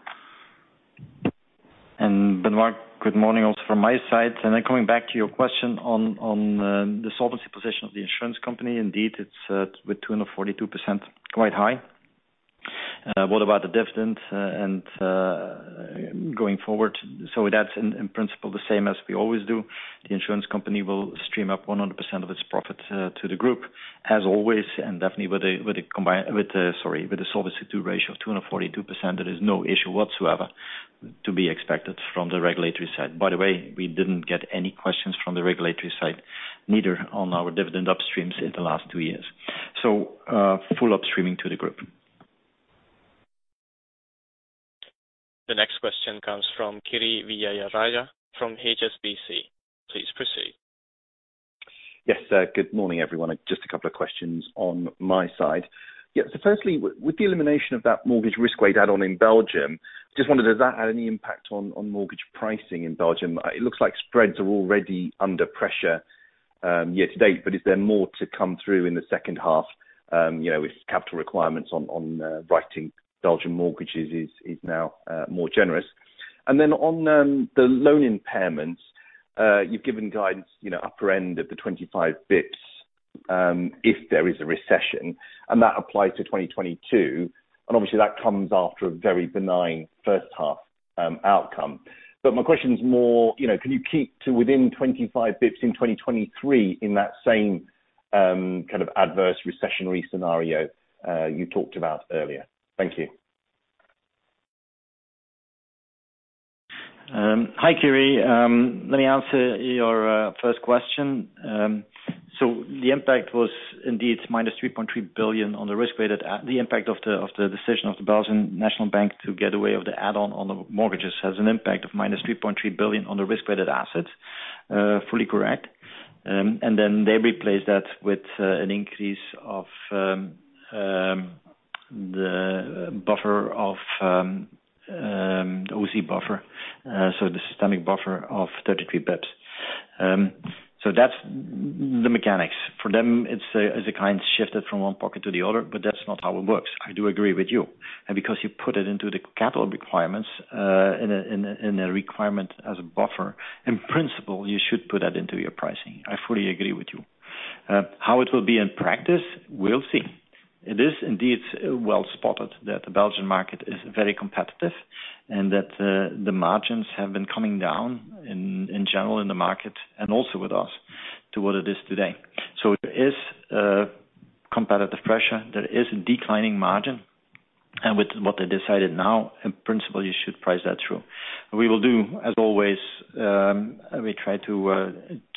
Benoit, good morning also from my side. Coming back to your question on the solvency position of the insurance company. Indeed, it's with 242% quite high. What about the dividend and going forward? That's in principle the same as we always do. The insurance company will upstream 100% of its profit to the group as always and definitely with a Solvency II ratio of 242%, there is no issue whatsoever to be expected from the regulatory side. By the way, we didn't get any questions from the regulatory side, neither on our dividend upstreams in the last two years. Full upstreaming to the group. The next question comes from Kiri Vijayarajah from HSBC. Please proceed. Yes, good morning, everyone. Just a couple of questions on my side. Yeah. Firstly, with the elimination of that mortgage risk weight add on in Belgium, just wondered, does that have any impact on mortgage pricing in Belgium? It looks like spreads are already under pressure year to date, but is there more to come through in the second half, you know, with capital requirements on writing Belgian mortgages is now more generous. On the loan impairments, you've given guidance, you know, upper end of the 25 basis points, if there is a recession, and that applies to 2022. Obviously that comes after a very benign first half outcome. My question is more, you know, can you keep to within 25 bps in 2023 in that same, kind of adverse recessionary scenario, you talked about earlier? Thank you. Hi, Kiri. Let me answer your first question. The impact was indeed -3.3 billion on the risk-weighted assets. The impact of the decision of the National Bank of Belgium to do away with the add-on on the mortgages has an impact of -3.3 billion on the risk-weighted assets. Fully correct. They replaced that with an increase of the buffer of O-SII buffer, so the systemic buffer of 33 basis points. That's the mechanics. For them, it's a kind of shift from one pocket to the other, but that's not how it works. I do agree with you. Because you put it into the capital requirements in a requirement as a buffer, in principle, you should put that into your pricing. I fully agree with you. How it will be in practice, we'll see. It is indeed well spotted that the Belgian market is very competitive and that the margins have been coming down in general in the market and also with us to what it is today. There is competitive pressure. There is a declining margin. With what they decided now, in principle, you should price that through. We will do as always. We try to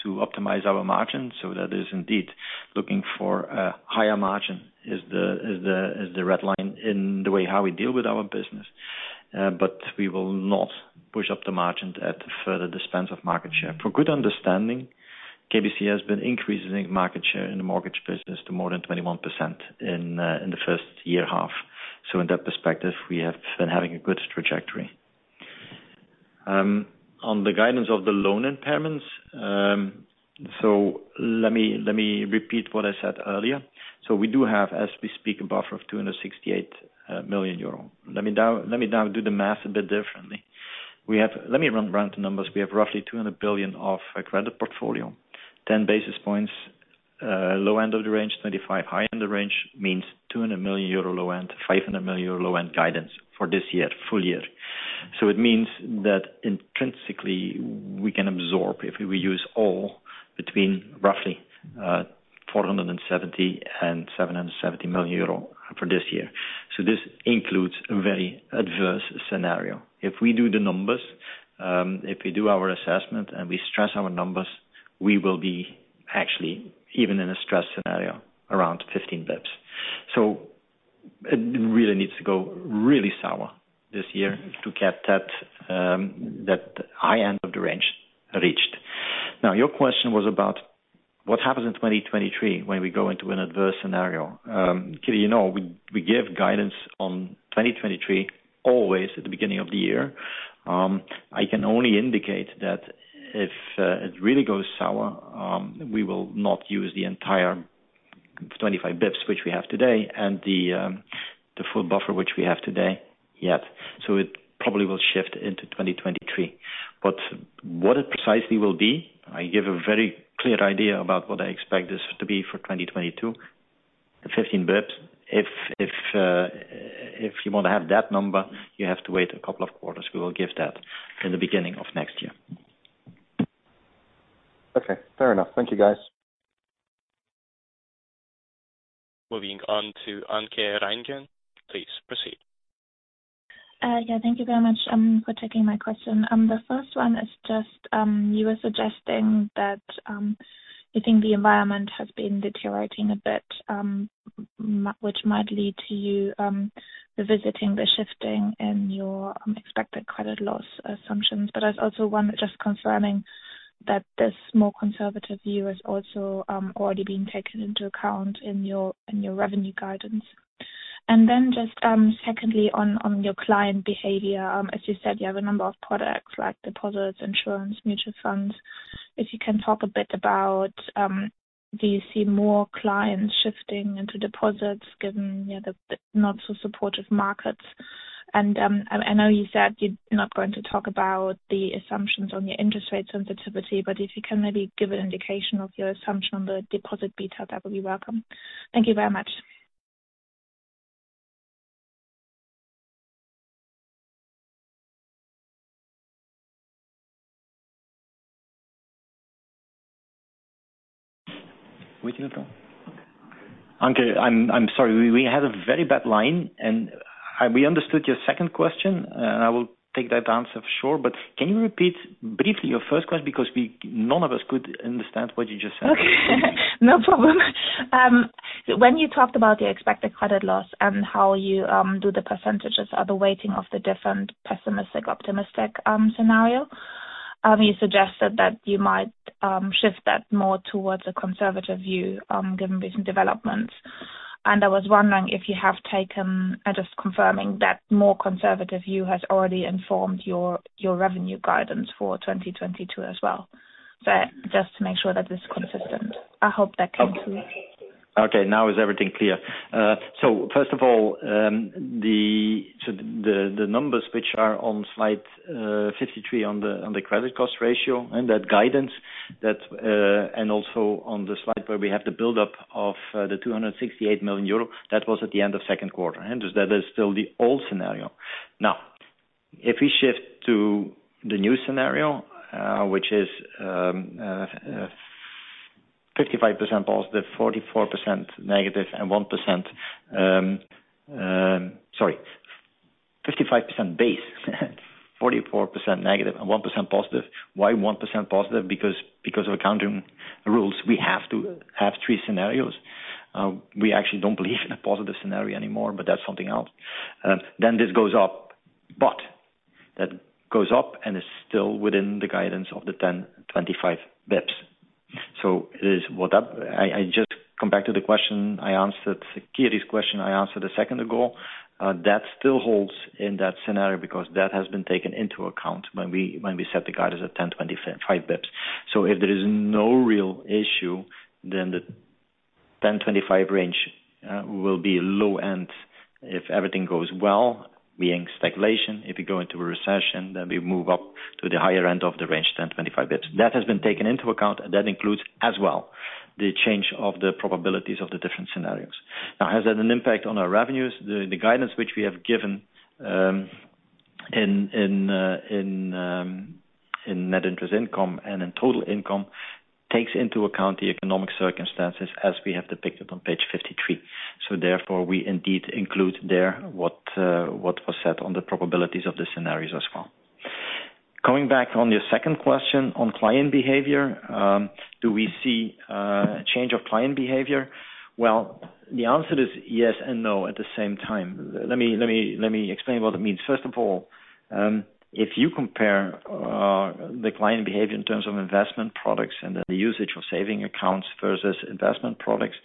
optimize our margins. That is indeed looking for higher margin is the red line in the way how we deal with our business. We will not push up the margins at the further expense of market share. For good understanding, KBC has been increasing market share in the mortgage business to more than 21% in the first year half. In that perspective, we have been having a good trajectory. On the guidance of the loan impairments, let me repeat what I said earlier. We do have, as we speak, a buffer of 268 million euro. Let me now do the math a bit differently. Let me run the numbers. We have roughly 200 billion of a credit portfolio, 10 basis points low end of the range, 25 high end of the range, means 200 million euro low end, 500 million euro low end guidance for this year, full year. It means that intrinsically, we can absorb, if we use all, between roughly 470 million euro and 770 million euro for this year. This includes a very adverse scenario. If we do the numbers, if we do our assessment and we stress our numbers, we will be actually, even in a stress scenario, around 15 basis points. It really needs to go really sour this year to get that high end of the range reached. Now, your question was about what happens in 2023 when we go into an adverse scenario. Kiri, you know, we give guidance on 2023 always at the beginning of the year. I can only indicate that if it really goes sour, we will not use the entire 25 basis points, which we have today, and the full buffer, which we have today, yet. It probably will shift into 2023. What it precisely will be, I give a very clear idea about what I expect this to be for 2022, the 15 basis points. If you want to have that number, you have to wait a couple of quarters. We will give that in the beginning of next year. Okay, fair enough. Thank you, guys. Moving on to Anke Reingen. Please proceed. Yeah, thank you very much for taking my question. The first one is just you were suggesting that you think the environment has been deteriorating a bit, which might lead to you revisiting the shifting in your expected credit loss assumptions. But there's also one just confirming that this more conservative view is also already being taken into account in your revenue guidance. Then just secondly, on your client behavior, as you said, you have a number of products like deposits, insurance, mutual funds. If you can talk a bit about do you see more clients shifting into deposits given, you know, the not so supportive markets. I know you said you're not going to talk about the assumptions on your interest rate sensitivity, but if you can maybe give an indication of your assumption on the deposit beta, that would be welcome. Thank you very much. Waiting, though. Anke, I'm sorry. We had a very bad line, and we understood your second question, and I will take that answer for sure. But can you repeat briefly your first question? Because none of us could understand what you just said. No problem. When you talked about the expected credit loss and how you do the percentages or the weighting of the different pessimistic, optimistic scenario, you suggested that you might shift that more towards a conservative view, given recent developments. I was wondering if you have taken, just confirming that more conservative view has already informed your revenue guidance for 2022 as well. Just to make sure that it's consistent. I hope that came through. Okay, now is everything clear? First of all, the numbers which are on slide 53 on the Credit Cost Ratio and that guidance, and also on the slide where we have the buildup of 268 million euro, that was at the end of second quarter, and that is still the old scenario. Now, if we shift to the new scenario, which is 55% base, 44% negative and 1% positive. Why 1% positive? Because of accounting rules, we have to have three scenarios. We actually don't believe in a positive scenario anymore, but that's something else. This goes up, but that goes up and is still within the guidance of the 10-25 basis points. I just come back to the question I answered, Kiri's question I answered a second ago. That still holds in that scenario because that has been taken into account when we set the guidance at 10-25 basis points. If there is no real issue, the 10-25 range will be low, and if everything goes well, being speculation, if we go into a recession, we move up to the higher end of the range, 10-25 basis points. That has been taken into account, and that includes as well the change of the probabilities of the different scenarios. Now, has that an impact on our revenues? The guidance which we have given in net interest income and in total income takes into account the economic circumstances as we have depicted on page 53. Therefore, we indeed include there what was said on the probabilities of the scenarios as well. Coming back on your second question on client behavior, do we see a change of client behavior? Well, the answer is yes and no at the same time. Let me explain what it means. First of all, if you compare the client behavior in terms of investment products and the usage of savings accounts versus investment products,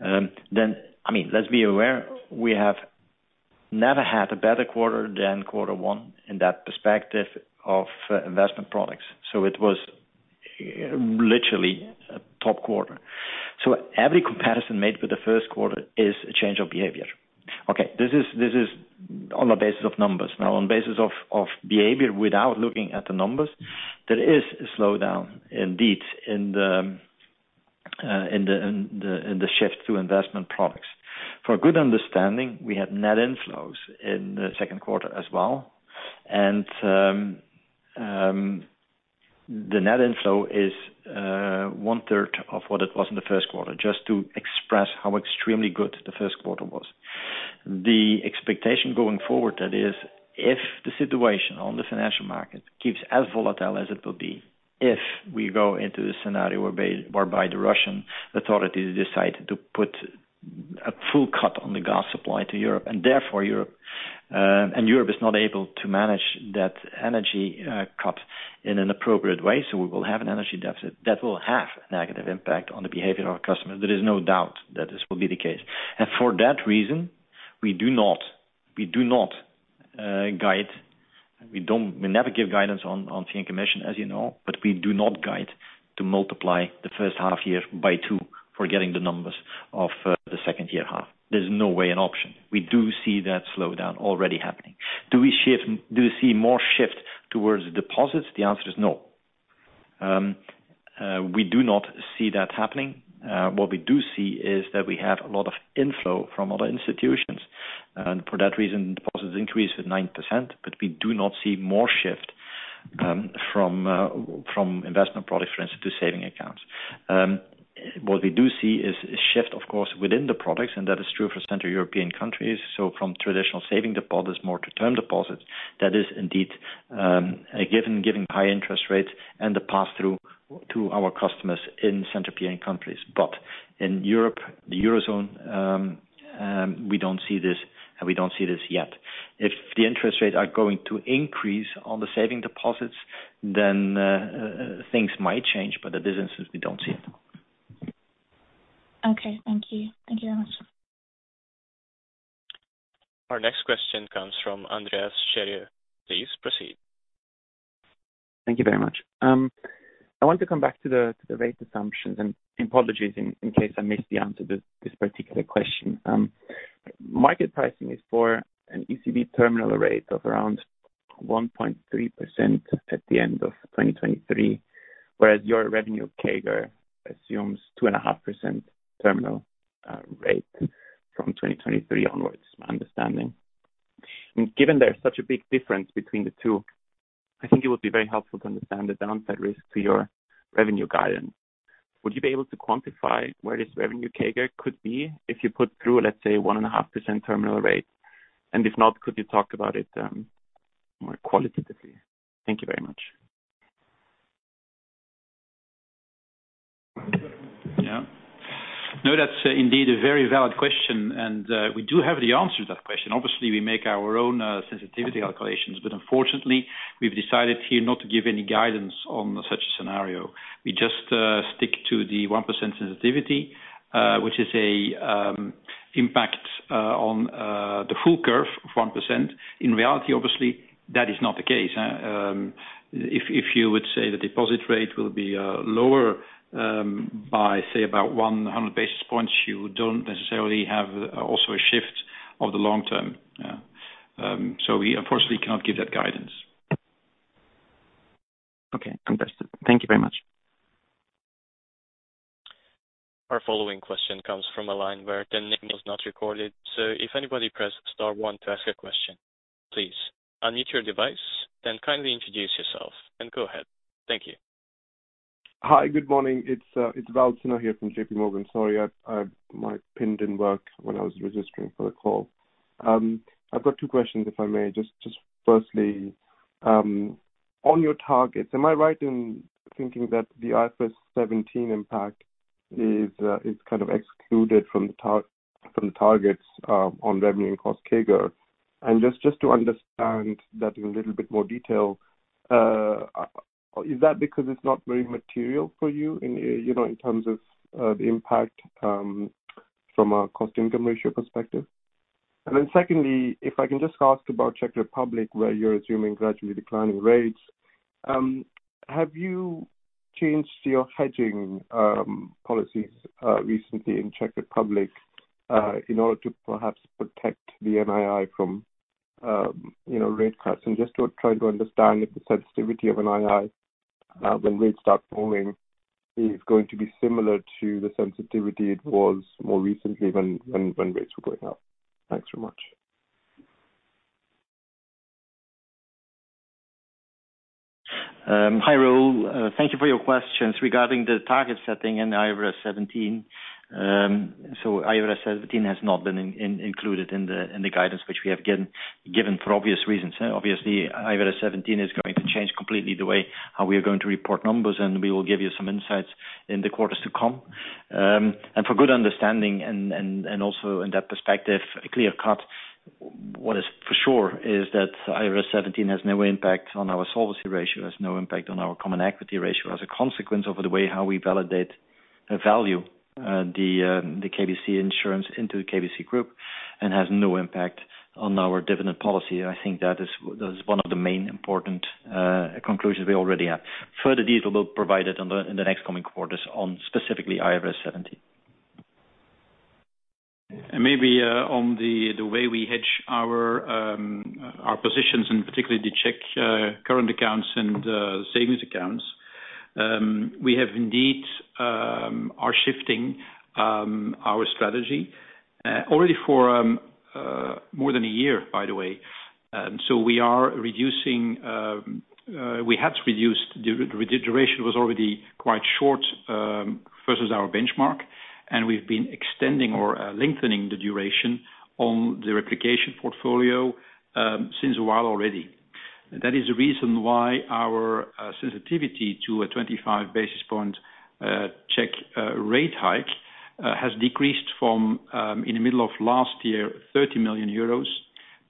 then I mean, let's be aware, we have never had a better quarter than quarter one in that perspective of investment products. It was literally a top quarter. Every comparison made with the first quarter is a change of behavior. Okay, this is on the basis of numbers. Now, on basis of behavior without looking at the numbers, there is a slowdown indeed in the shift to investment products. For good understanding, we have net inflows in the second quarter as well. The net inflow is one-third of what it was in the first quarter, just to express how extremely good the first quarter was. The expectation going forward, that is, if the situation on the financial market keeps as volatile as it will be, if we go into the scenario whereby the Russian authorities decide to put a full cut on the gas supply to Europe, and therefore Europe is not able to manage that energy cut in an appropriate way. We will have an energy deficit that will have a negative impact on the behavior of our customers. There is no doubt that this will be the case. For that reason, we do not guide. We never give guidance on non-commission, as you know, but we do not guide to multiply the first half year by two for getting the numbers of the second half year. There's no way that's an option. We do see that slowdown already happening. Do we see more shift towards deposits? The answer is no. We do not see that happening. What we do see is that we have a lot of inflow from other institutions, and for that reason, deposits increased at 9%, but we do not see more shift from investment products, for instance, to savings accounts. What we do see is a shift, of course, within the products, and that is true for Central European countries. From traditional savings deposits more to term deposits, that is indeed a given high interest rates and the pass-through to our customers in Central European countries. In Europe, the Eurozone, we don't see this, and we don't see this yet. If the interest rates are going to increase on the savings deposits, then things might change. At this instant, we don't see it. Okay, thank you. Thank you very much. Our next question comes from Andreas Scheriau. Please proceed. Thank you very much. I want to come back to the rate assumptions, and apologies in case I missed the answer to this particular question. Market pricing is for an ECB terminal rate of around 1.3% at the end of 2023, whereas your revenue CAGR assumes 2.5% terminal rate from 2023 onwards, my understanding. Given there's such a big difference between the two, I think it would be very helpful to understand the downside risk to your revenue guidance. Would you be able to quantify where this revenue CAGR could be if you put through, let's say, 1.5% terminal rate? And if not, could you talk about it more qualitatively? Thank you very much. Yeah. No, that's indeed a very valid question. We do have the answer to that question. Obviously, we make our own sensitivity calculations, but unfortunately, we've decided here not to give any guidance on such a scenario. We just stick to the 1% sensitivity, which is a impact on the full curve of 1%. In reality, obviously, that is not the case. If you would say the deposit rate will be lower by say about 100 basis points, you don't necessarily have also a shift of the long term. We unfortunately cannot give that guidance. Okay, understood. Thank you very much. Our following question comes from a line where the name was not recorded. If anybody pressed star one to ask a question, please unmute your device, then kindly introduce yourself and go ahead. Thank you. Hi. Good morning. It's Raul Sinha here from JPMorgan. Sorry, my pin didn't work when I was registering for the call. I've got two questions, if I may. Just firstly, on your targets, am I right in thinking that the IFRS 17 impact is kind of excluded from the targets on revenue and cost CAGR? And just to understand that in a little bit more detail, is that because it's not very material for you in, you know, in terms of the impact from a cost income ratio perspective? And then secondly, if I can just ask about Czech Republic, where you're assuming gradually declining rates, have you changed your hedging policies recently in Czech Republic in order to perhaps protect the NII from, you know, rate cuts? I'm just trying to understand if the sensitivity of NII, when rates start falling is going to be similar to the sensitivity it was more recently when rates were going up. Thanks very much. Hi, Raul. Thank you for your questions regarding the target setting in IFRS 17. IFRS 17 has not been included in the guidance which we have given for obvious reasons. Obviously, IFRS 17 is going to change completely the way how we are going to report numbers, and we will give you some insights in the quarters to come. For good understanding and also in that perspective, a clear cut, what is for sure is that IFRS 17 has no impact on our solvency ratio, has no impact on our common equity ratio as a consequence of the way how we value the KBC Insurance into the KBC Group and has no impact on our dividend policy. I think that is one of the main important conclusions we already have. Further detail will be provided in the next coming quarters specifically on IFRS 17. Maybe on the way we hedge our positions, and particularly the Czech current accounts and savings accounts, we are shifting our strategy already for more than a year, by the way. We had to reduce the duration, which was already quite short versus our benchmark, and we've been extending or lengthening the duration on the replication portfolio since a while already. That is the reason why our sensitivity to a 25 basis point Czech rate hike has decreased from, in the middle of last year, 30 million euros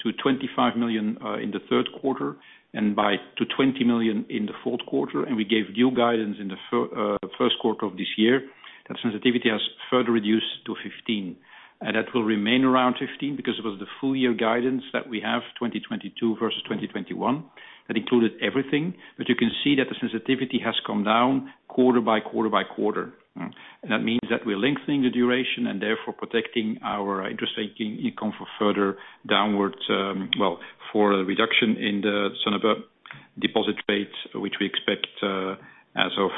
to 25 million in the third quarter, and to 20 million in the fourth quarter. We gave new guidance in the first quarter of this year. That sensitivity has further reduced to 15, and that will remain around 15 because it was the full year guidance that we have, 2022 versus 2021. That included everything. You can see that the sensitivity has come down quarter by quarter by quarter. That means that we're lengthening the duration and therefore protecting our interest income for further downwards, well, for a reduction in the sort of deposit rates which we expect as of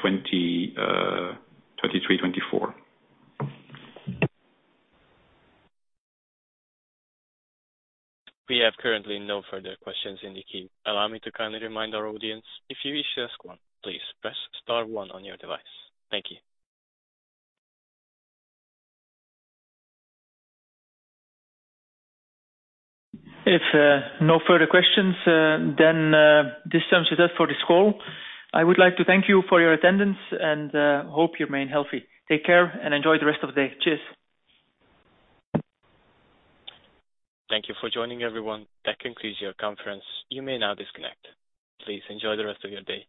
2023, 2024. We have currently no further questions in the queue. Allow me to kindly remind our audience, if you wish to ask one, please press star one on your device. Thank you. If no further questions, then this sums it up for this call. I would like to thank you for your attendance and hope you remain healthy. Take care and enjoy the rest of the day. Cheers. Thank you for joining everyone. That concludes your conference. You may now disconnect. Please enjoy the rest of your day.